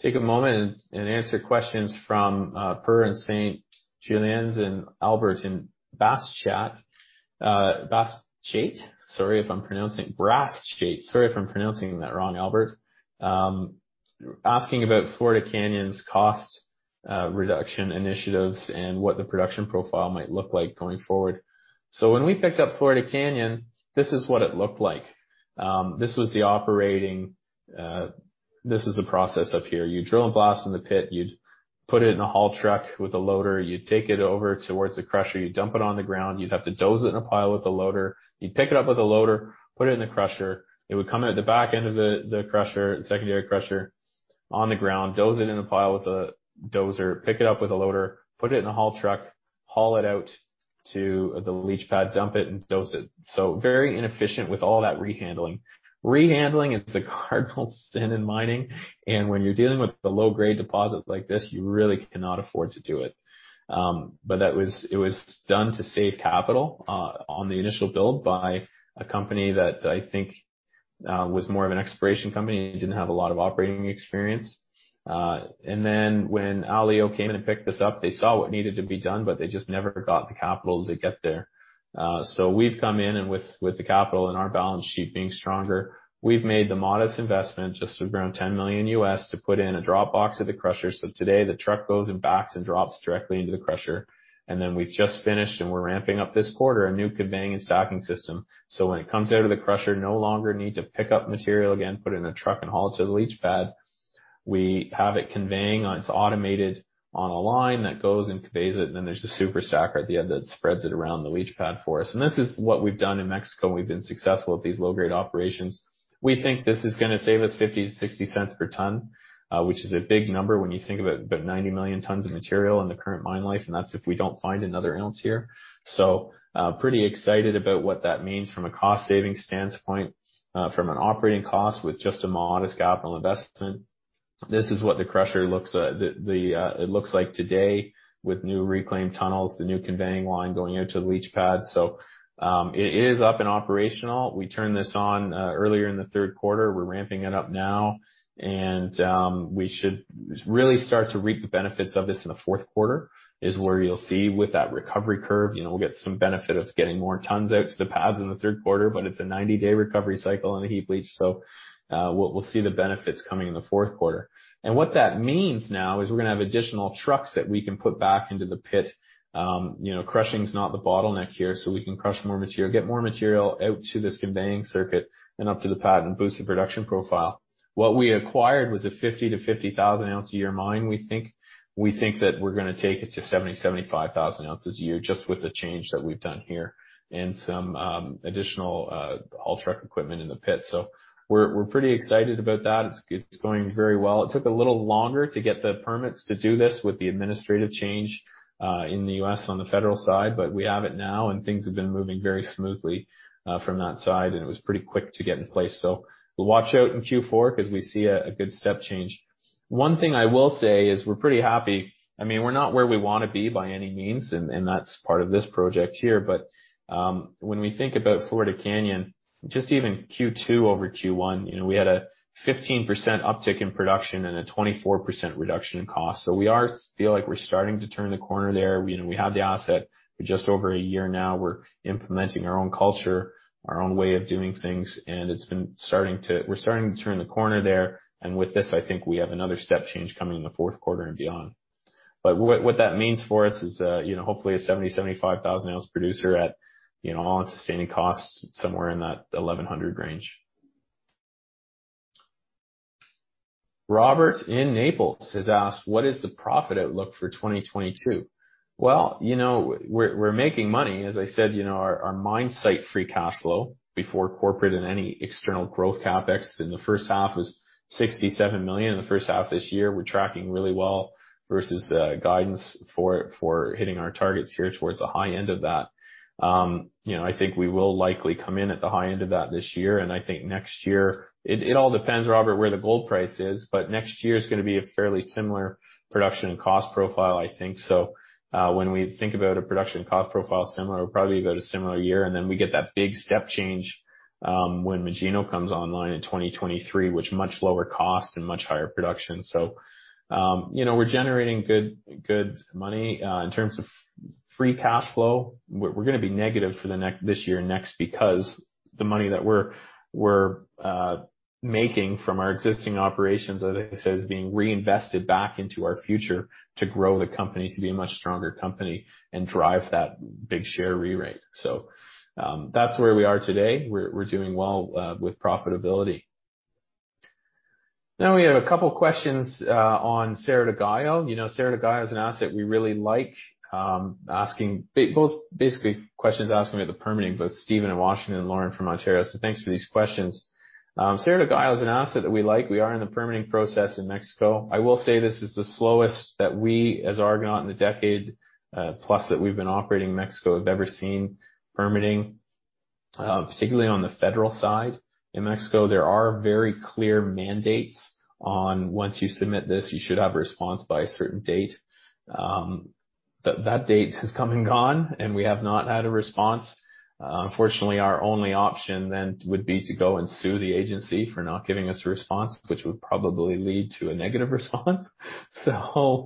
take a moment and answer questions from Per in St. Julian's, and Albert in Brasschaat. Sorry if I'm pronouncing Brasschaat wrong, Albert. Asking about Florida Canyon's cost reduction initiatives and what the production profile might look like going forward. When we picked up Florida Canyon, this is what it looked like. This was the process up here. You drill and blast in the pit, you'd put it in a haul truck with a loader, you'd take it over towards the crusher, you dump it on the ground, you'd have to doze it in a pile with a loader. You'd pick it up with a loader, put it in the crusher. It would come out the back end of the crusher, secondary crusher, on the ground, doze it in a pile with a dozer, pick it up with a loader, put it in a haul truck, haul it out to the leach pad, dump it, and doze it. Very inefficient with all that rehandling. Rehandling is a cardinal sin in mining, and when you're dealing with a low-grade deposit like this, you really cannot afford to do it. It was done to save capital on the initial build by a company that I think was more of an exploration company and didn't have a lot of operating experience. When Alio came in and picked this up, they saw what needed to be done, but they just never got the capital to get there. We've come in, and with the capital and our balance sheet being stronger, we've made the modest investment, just around $10 million, to put in a drop box at the crusher. Today, the truck goes and backs and drops directly into the crusher. We've just finished, and we're ramping up this quarter, a new conveying and stocking system. When it comes out of the crusher, no longer need to pick up material again, put it in a truck, and haul it to the leach pad. We have it conveying. It's automated on a line that goes and conveys it, and then there's the SuperStacker at the end that spreads it around the leach pad for us. This is what we've done in Mexico. We've been successful at these low-grade operations. We think this is going to save us 0.50-0.60 per ton, which is a big number when you think about 90 million tons of material in the current mine life, and that's if we don't find another ounce here. Pretty excited about what that means from a cost-saving standpoint, from an operating cost with just a modest capital investment. This is what the crusher looks like today with new reclaim tunnels, the new conveying line going out to the leach pad. It is up and operational. We turned this on earlier in the third quarter. We're ramping it up now, and we should really start to reap the benefits of this in the fourth quarter, is where you'll see with that recovery curve. We'll get some benefit of getting more tons out to the pads in the third quarter, but it's a 90-day recovery cycle in the heap leach, so we'll see the benefits coming in the fourth quarter. What that means now is we're going to have additional trucks that we can put back into the pit. Crushing is not the bottleneck here. We can crush more material, get more material out to this conveying circuit and up to the pad and boost the production profile. What we acquired was a 50,000 oz a year mine, we think. We think that we're going to take it to 70,000 oz-75,000 oz a year just with the change that we've done here and some additional haul truck equipment in the pit. We're pretty excited about that. It's going very well. It took a little longer to get the permits to do this with the administrative change in the U.S. on the federal side, but we have it now, and things have been moving very smoothly from that side, and it was pretty quick to get in place. We'll watch out in Q4 because we see a good step change. One thing I will say is we're pretty happy. We're not where we want to be by any means, and that's part of this project here, but when we think about Florida Canyon, just even Q2 over Q1, we had a 15% uptick in production and a 24% reduction in cost. We feel like we're starting to turn the corner there. We have the asset. We're just over a year now. We're implementing our own culture, our own way of doing things, and we're starting to turn the corner there. With this, I think we have another step change coming in the fourth quarter and beyond. What that means for us is hopefully a 70,000 oz-75,000 oz producer at all-in sustaining costs somewhere in that 1,100 range. Robert in Naples has asked, "What is the profit outlook for 2022?" Well, we're making money. As I said, our mine site free cash flow before corporate and any external growth CapEx in the first half was 67 million. In the first half of this year, we're tracking really well versus guidance for hitting our targets here towards the high end of that. I think we will likely come in at the high end of that this year, and I think next year. It all depends, Robert, where the gold price is. Next year is going to be a fairly similar production and cost profile, I think. When we think about a production cost profile similar, we'll probably go to a similar year, and then we get that big step change when Magino comes online in 2023, which much lower cost and much higher production. We're generating good money in terms of free cash flow. We're going to be negative for this year and next because the money that we're making from our existing operations, as I said, is being reinvested back into our future to grow the company to be a much stronger company and drive that big share rerate. That's where we are today. We're doing well with profitability. We had a couple questions on Cerro de Gallo. Cerro de Gallo is an asset we really like. Basically, questions asking me the permitting, both Steven in Washington and Lauren from Ontario. Thanks for these questions. Cerro de Gallo is an asset that we like. We are in the permitting process in Mexico. I will say this is the slowest that we, as Argonaut, in the decade plus that we've been operating in Mexico, have ever seen permitting. Particularly on the federal side in Mexico, there are very clear mandates on once you submit this, you should have a response by a certain date. That date has come and gone, and we have not had a response. Unfortunately, our only option then would be to go and sue the agency for not giving us a response, which would probably lead to a negative response. It's a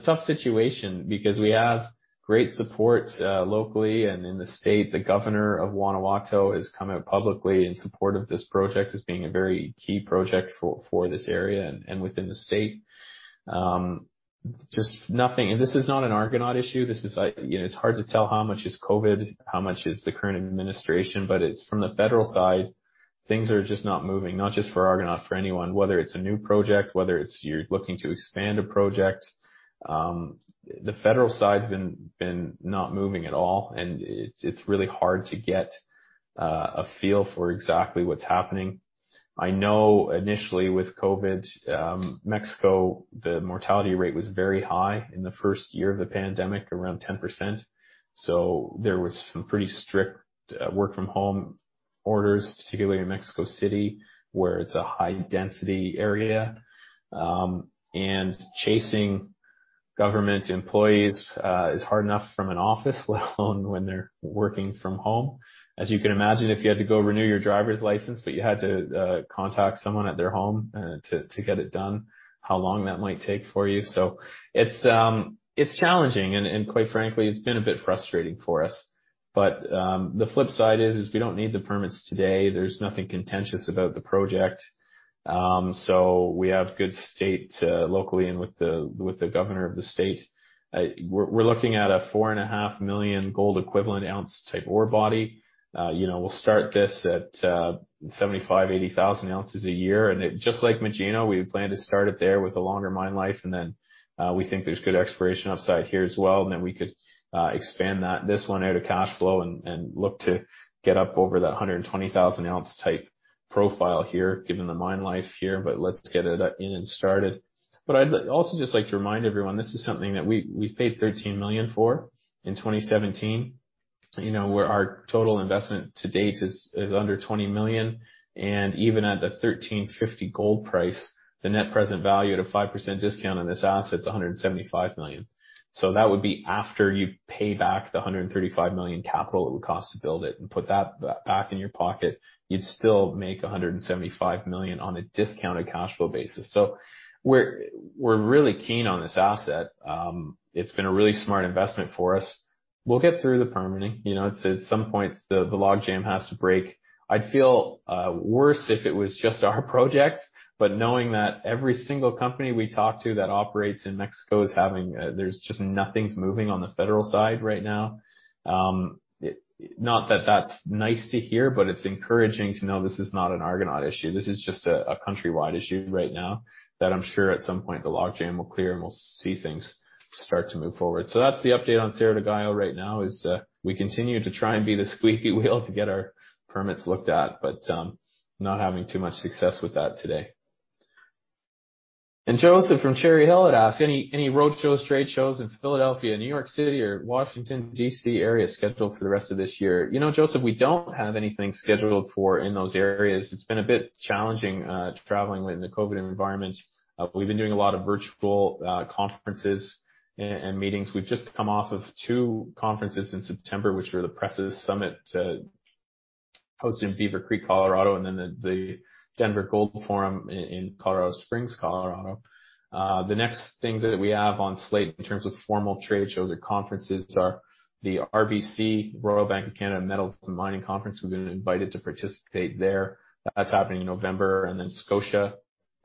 tough situation because we have great support locally and in the state. The governor of Guanajuato has come out publicly in support of this project as being a very key project for this area and within the state. This is not an Argonaut issue. It's hard to tell how much is COVID, how much is the current administration, but from the federal side, things are just not moving, not just for Argonaut, for anyone. Whether it's a new project, whether it's you're looking to expand a project. The federal side's been not moving at all, and it's really hard to get a feel for exactly what's happening. I know initially with COVID, Mexico, the mortality rate was very high in the first year of the pandemic, around 10%. There was some pretty strict work from home orders, particularly in Mexico City, where it's a high density area. Chasing government employees is hard enough from an office, let alone when they're working from home. As you can imagine, if you had to go renew your driver's license, but you had to contact someone at their home to get it done, how long that might take for you. It's challenging and, quite frankly, it's been a bit frustrating for us. The flip side is, we don't need the permits today. There's nothing contentious about the project. We have good state, locally and with the governor of the state. We're looking at a 4.5 million gold equivalent ounce type ore body. We'll start this at 75,000 oz-80,000 oz a year. Just like Magino, we plan to start it there with a longer mine life, and then we think there's good exploration upside here as well. We could expand this one out of cash flow and look to get up over that 120,000 oz type profile here, given the mine life here. Let's get it in and started. I'd also just like to remind everyone, this is something that we've paid 13 million for in 2017, where our total investment to date is under 20 million. Even at the 1,350 gold price, the net present value at a 5% discount on this asset is 175 million. That would be after you pay back the 135 million capital it would cost to build it and put that back in your pocket, you'd still make 175 million on a discounted cash flow basis. We're really keen on this asset. It's been a really smart investment for us. We'll get through the permitting. At some point, the logjam has to break. I'd feel worse if it was just our project, but knowing that every single company we talk to that operates in Mexico is having, just nothing's moving on the federal side right now. Not that that's nice to hear, but it's encouraging to know this is not an Argonaut issue. This is just a countrywide issue right now that I'm sure at some point the logjam will clear, and we'll see things start to move forward. That's the update on Cerro de Gallo right now, is we continue to try and be the squeaky wheel to get our permits looked at, but not having too much success with that today. Joseph from Cherry Hill had asked, "Any road shows, trade shows in Philadelphia, New York City, or Washington, D.C. area scheduled for the rest of this year?" Joseph, we don't have anything scheduled for in those areas. It's been a bit challenging traveling within the COVID environment. We've been doing a lot of virtual conferences and meetings. We've just come off of two conferences in September, which were the Precious Metals Summit, hosted in Beaver Creek, Colorado, and then the Denver Gold Forum in Colorado Springs, Colorado. The next things that we have on slate in terms of formal trade shows or conferences are the RBC, Royal Bank of Canada Metals & Mining Conference. We've been invited to participate there. That's happening in November. Then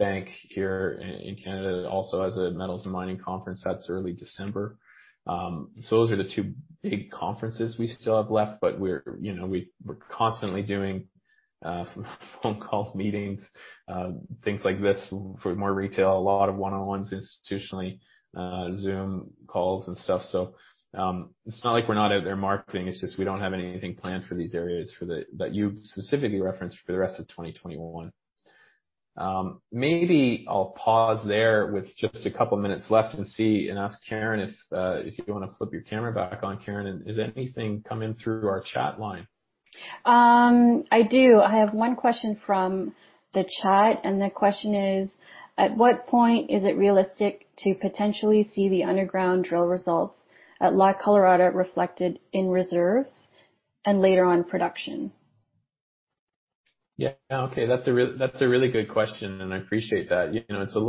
Scotiabank here in Canada also has a metals and mining conference. That's early December. Those are the two big conferences we still have left, but we're constantly doing phone calls, meetings, things like this for more retail. A lot of one-on-ones institutionally, Zoom calls and stuff. It's not like we're not out there marketing, it's just we don't have anything planned for these areas that you specifically referenced for the rest of 2021. Maybe I'll pause there with just a couple minutes left and see and ask Karen, if you want to flip your camera back on, Karen, is anything coming through our chat line? I do. I have one question from the chat, and the question is, "At what point is it realistic to potentially see the underground drill results at La Colorada reflected in reserves and later on production? Yeah. Okay. That's a really good question, and I appreciate that. It's a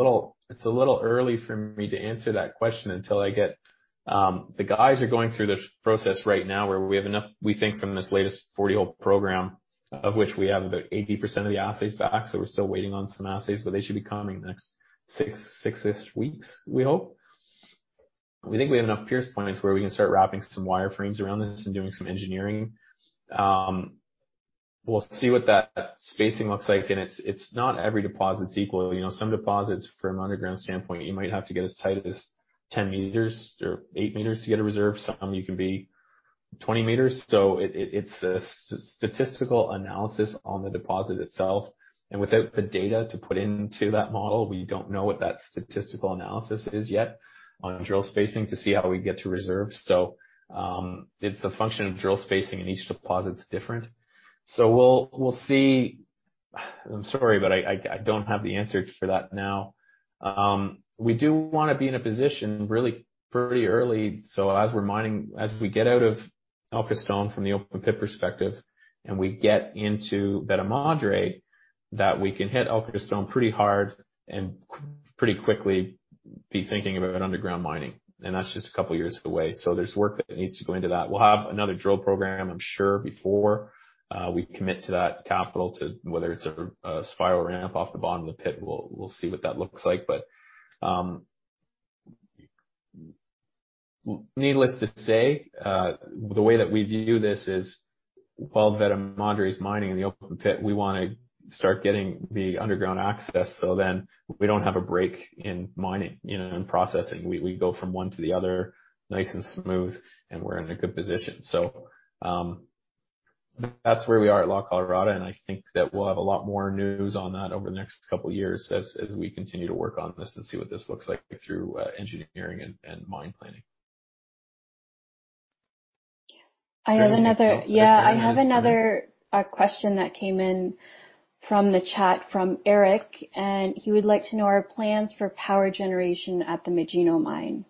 little early for me to answer that question. The guys are going through this process right now where we have enough, we think, from this latest 40-hole program, of which we have about 80% of the assays back. We're still waiting on some assays, but they should be coming next six-ish weeks, we hope. We think we have enough pierce points where we can start wrapping some wireframes around this and doing some engineering. We'll see what that spacing looks like. It's not every deposit's equal. Some deposits from an underground standpoint, you might have to get as tight as 10 m or 8 m to get a reserve. Some you can be 20 m. It's a statistical analysis on the deposit itself, and without the data to put into that model, we don't know what that statistical analysis is yet on drill spacing to see how we get to reserve. It's a function of drill spacing, and each deposit's different. We'll see. I'm sorry, but I don't have the answer for that now. We do want to be in a position really pretty early, so as we get out of El Creston from the open pit perspective and we get into Veta Madre, that we can hit El Creston pretty hard and pretty quickly be thinking about underground mining, and that's just a couple of years away. There's work that needs to go into that. We'll have another drill program, I'm sure, before we commit to that capital to whether it's a spiral ramp off the bottom of the pit, we'll see what that looks like. Needless to say, the way that we view this is while Veta Madre is mining in the open pit, we want to start getting the underground access we don't have a break in mining and processing. We go from one to the other nice and smooth and we're in a good position. That's where we are at La Colorada, and I think that we'll have a lot more news on that over the next couple of years as we continue to work on this and see what this looks like through engineering and mine planning. I have another- Is there anything else that came in? Yeah, I have another question that came in from the chat from Eric, and he would like to know our plans for power generation at the Magino mine.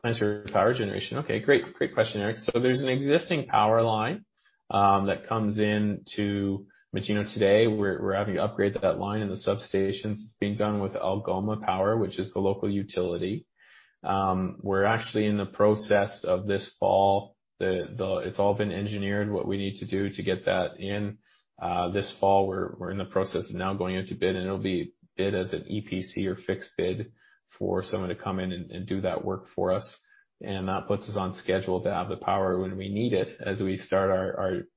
Plans for power generation? Okay, great question, Eric. There's an existing power line that comes into Magino today. We're having to upgrade that line and the substations. It's being done with Algoma Power, which is the local utility. It's all been engineered, what we need to do to get that in. This fall, we're in the process of now going into bid, and it'll be bid as an EPC or fixed bid for someone to come in and do that work for us. That puts us on schedule to have the power when we need it as we start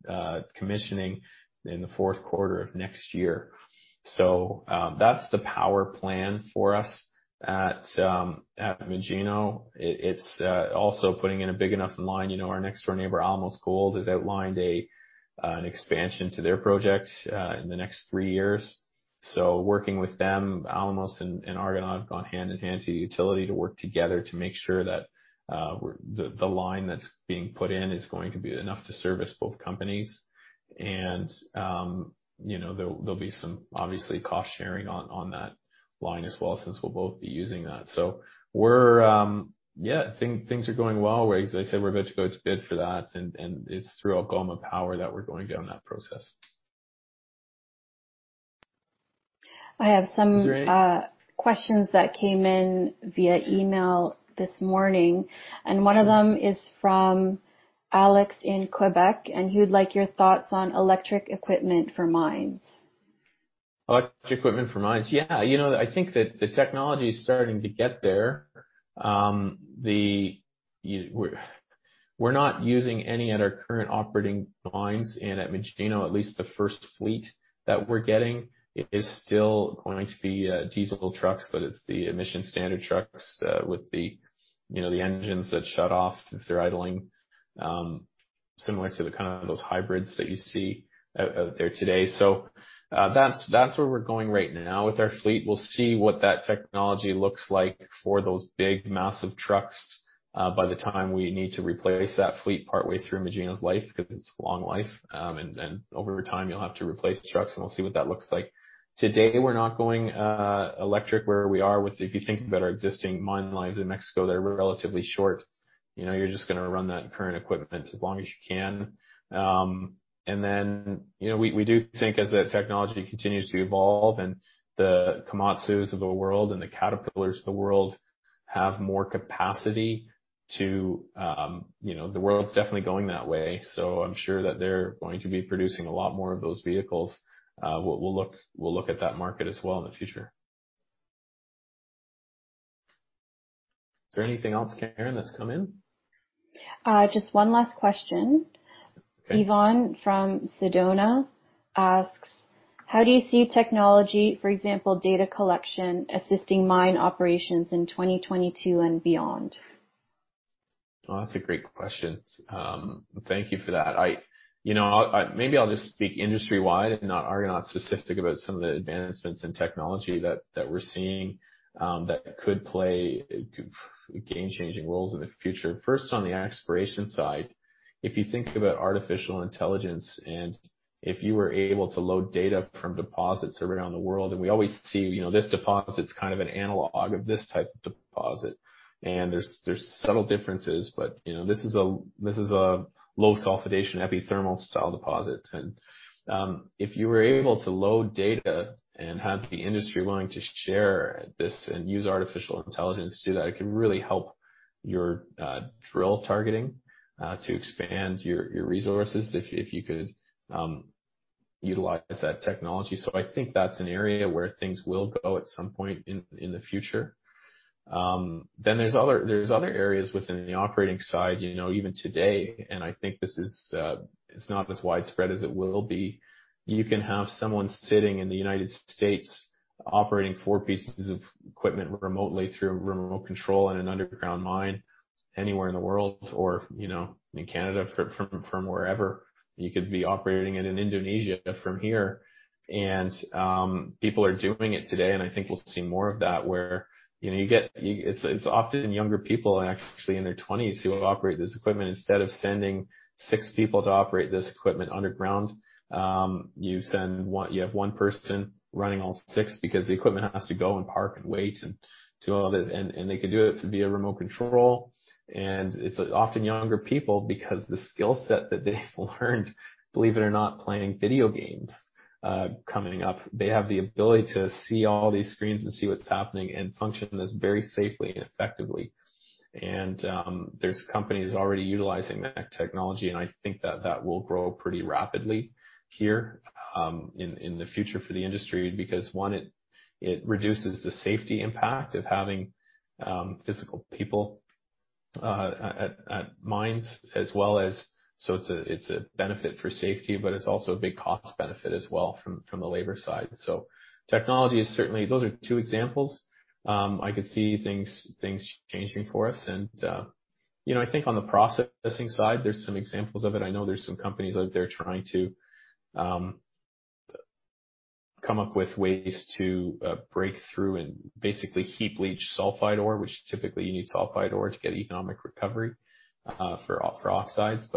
our commissioning in the fourth quarter of next year. That's the power plan for us at Magino. It's also putting in a big enough line. Our next-door neighbor, Alamos Gold, has outlined an expansion to their project in the next three years. Working with them, Alamos and Argonaut have gone hand-in-hand to the utility to work together to make sure that the line that's being put in is going to be enough to service both companies. There'll be some, obviously, cost sharing on that line as well since we'll both be using that. Things are going well, where, as I said, we're about to go to bid for that, and it's through Algoma Power that we're going down that process. I have some- Is there any- Questions that came in via email this morning, and one of them is from Alex in Quebec, and he would like your thoughts on electric equipment for mines. Electric equipment for mines. Yeah. I think that the technology is starting to get there. We're not using any at our current operating mines and at Magino, at least the first fleet that we're getting is still going to be diesel trucks, but it's the emission standard trucks with the engines that shut off if they're idling, similar to the kind of those hybrids that you see out there today. That's where we're going right now with our fleet. We'll see what that technology looks like for those big, massive trucks by the time we need to replace that fleet partway through Magino's life, because it's a long life, and over time, you'll have to replace trucks, and we'll see what that looks like. Today, we're not going electric where we are with, if you think about our existing mine lives in Mexico, they're relatively short. You're just going to run that current equipment as long as you can. Then, we do think as that technology continues to evolve and the Komatsus of the world and the Caterpillars of the world have more capacity. The world's definitely going that way. I'm sure that they're going to be producing a lot more of those vehicles. We'll look at that market as well in the future. Is there anything else, Karen, that's come in? Just one last question. Okay. Yvonne from Sedona asks, "How do you see technology, for example, data collection, assisting mine operations in 2022 and beyond? Oh, that's a great question. Thank you for that. Maybe I'll just speak industry-wide and not Argonaut-specific about some of the advancements in technology that we're seeing that could play game-changing roles in the future. First, on the exploration side, if you think about artificial intelligence. If you were able to load data from deposits around the world, and we always see this deposit's kind of an analog of this type of deposit, and there's subtle differences, but this is a low sulfidation epithermal style deposit. If you were able to load data and have the industry willing to share this and use artificial intelligence to do that, it could really help your drill targeting to expand your resources if you could utilize that technology. I think that's an area where things will go at some point in the future. There's other areas within the operating side, even today, and I think this is, it's not as widespread as it will be. You can have someone sitting in the U.S. operating four pieces of equipment remotely through a remote control in an underground mine anywhere in the world or in Canada from wherever. You could be operating it in Indonesia from here. People are doing it today, and I think we'll see more of that where it's often younger people actually in their 20s who operate this equipment. Instead of sending six people to operate this equipment underground, you have one person running all six because the equipment has to go and park and wait and do all this. They could do it via remote control, and it's often younger people because the skill set that they've learned, believe it or not, playing video games coming up. They have the ability to see all these screens and see what's happening and function this very safely and effectively. There's companies already utilizing that technology, and I think that that will grow pretty rapidly here in the future for the industry because, one, it reduces the safety impact of having physical people at mines. It's a benefit for safety, but it's also a big cost benefit as well from the labor side. Technology is certainly, those are two examples. I could see things changing for us and I think on the processing side, there's some examples of it. I know there's some companies out there trying to come up with ways to break through and basically heap leach sulfide ore, which typically you need sulfide ore to get economic recovery for oxides.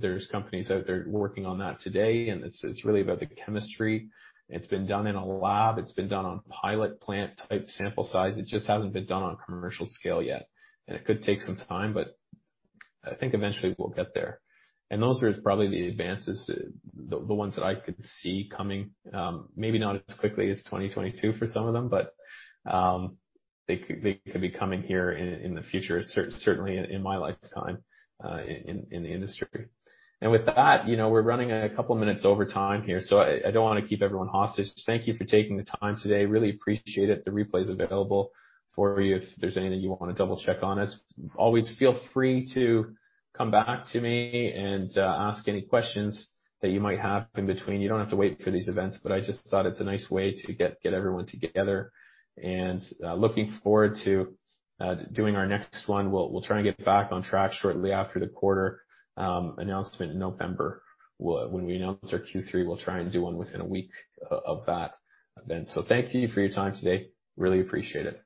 There's companies out there working on that today, and it's really about the chemistry. It's been done in a lab. It's been done on pilot plant type sample size. It just hasn't been done on a commercial scale yet. It could take some time, but I think eventually we'll get there. Those are probably the advances, the ones that I could see coming, maybe not as quickly as 2022 for some of them, but they could be coming here in the future, certainly in my lifetime in the industry. With that, we're running a couple of minutes over time here, so I don't want to keep everyone hostage. Thank you for taking the time today. Really appreciate it. The replay's available for you if there's anything you want to double-check on us. Always feel free to come back to me and ask any questions that you might have in between. You don't have to wait for these events, but I just thought it's a nice way to get everyone together and looking forward to doing our next one. We'll try and get back on track shortly after the quarter announcement in November. When we announce our Q3, we'll try and do one within a week of that event. Thank you for your time today. Really appreciate it.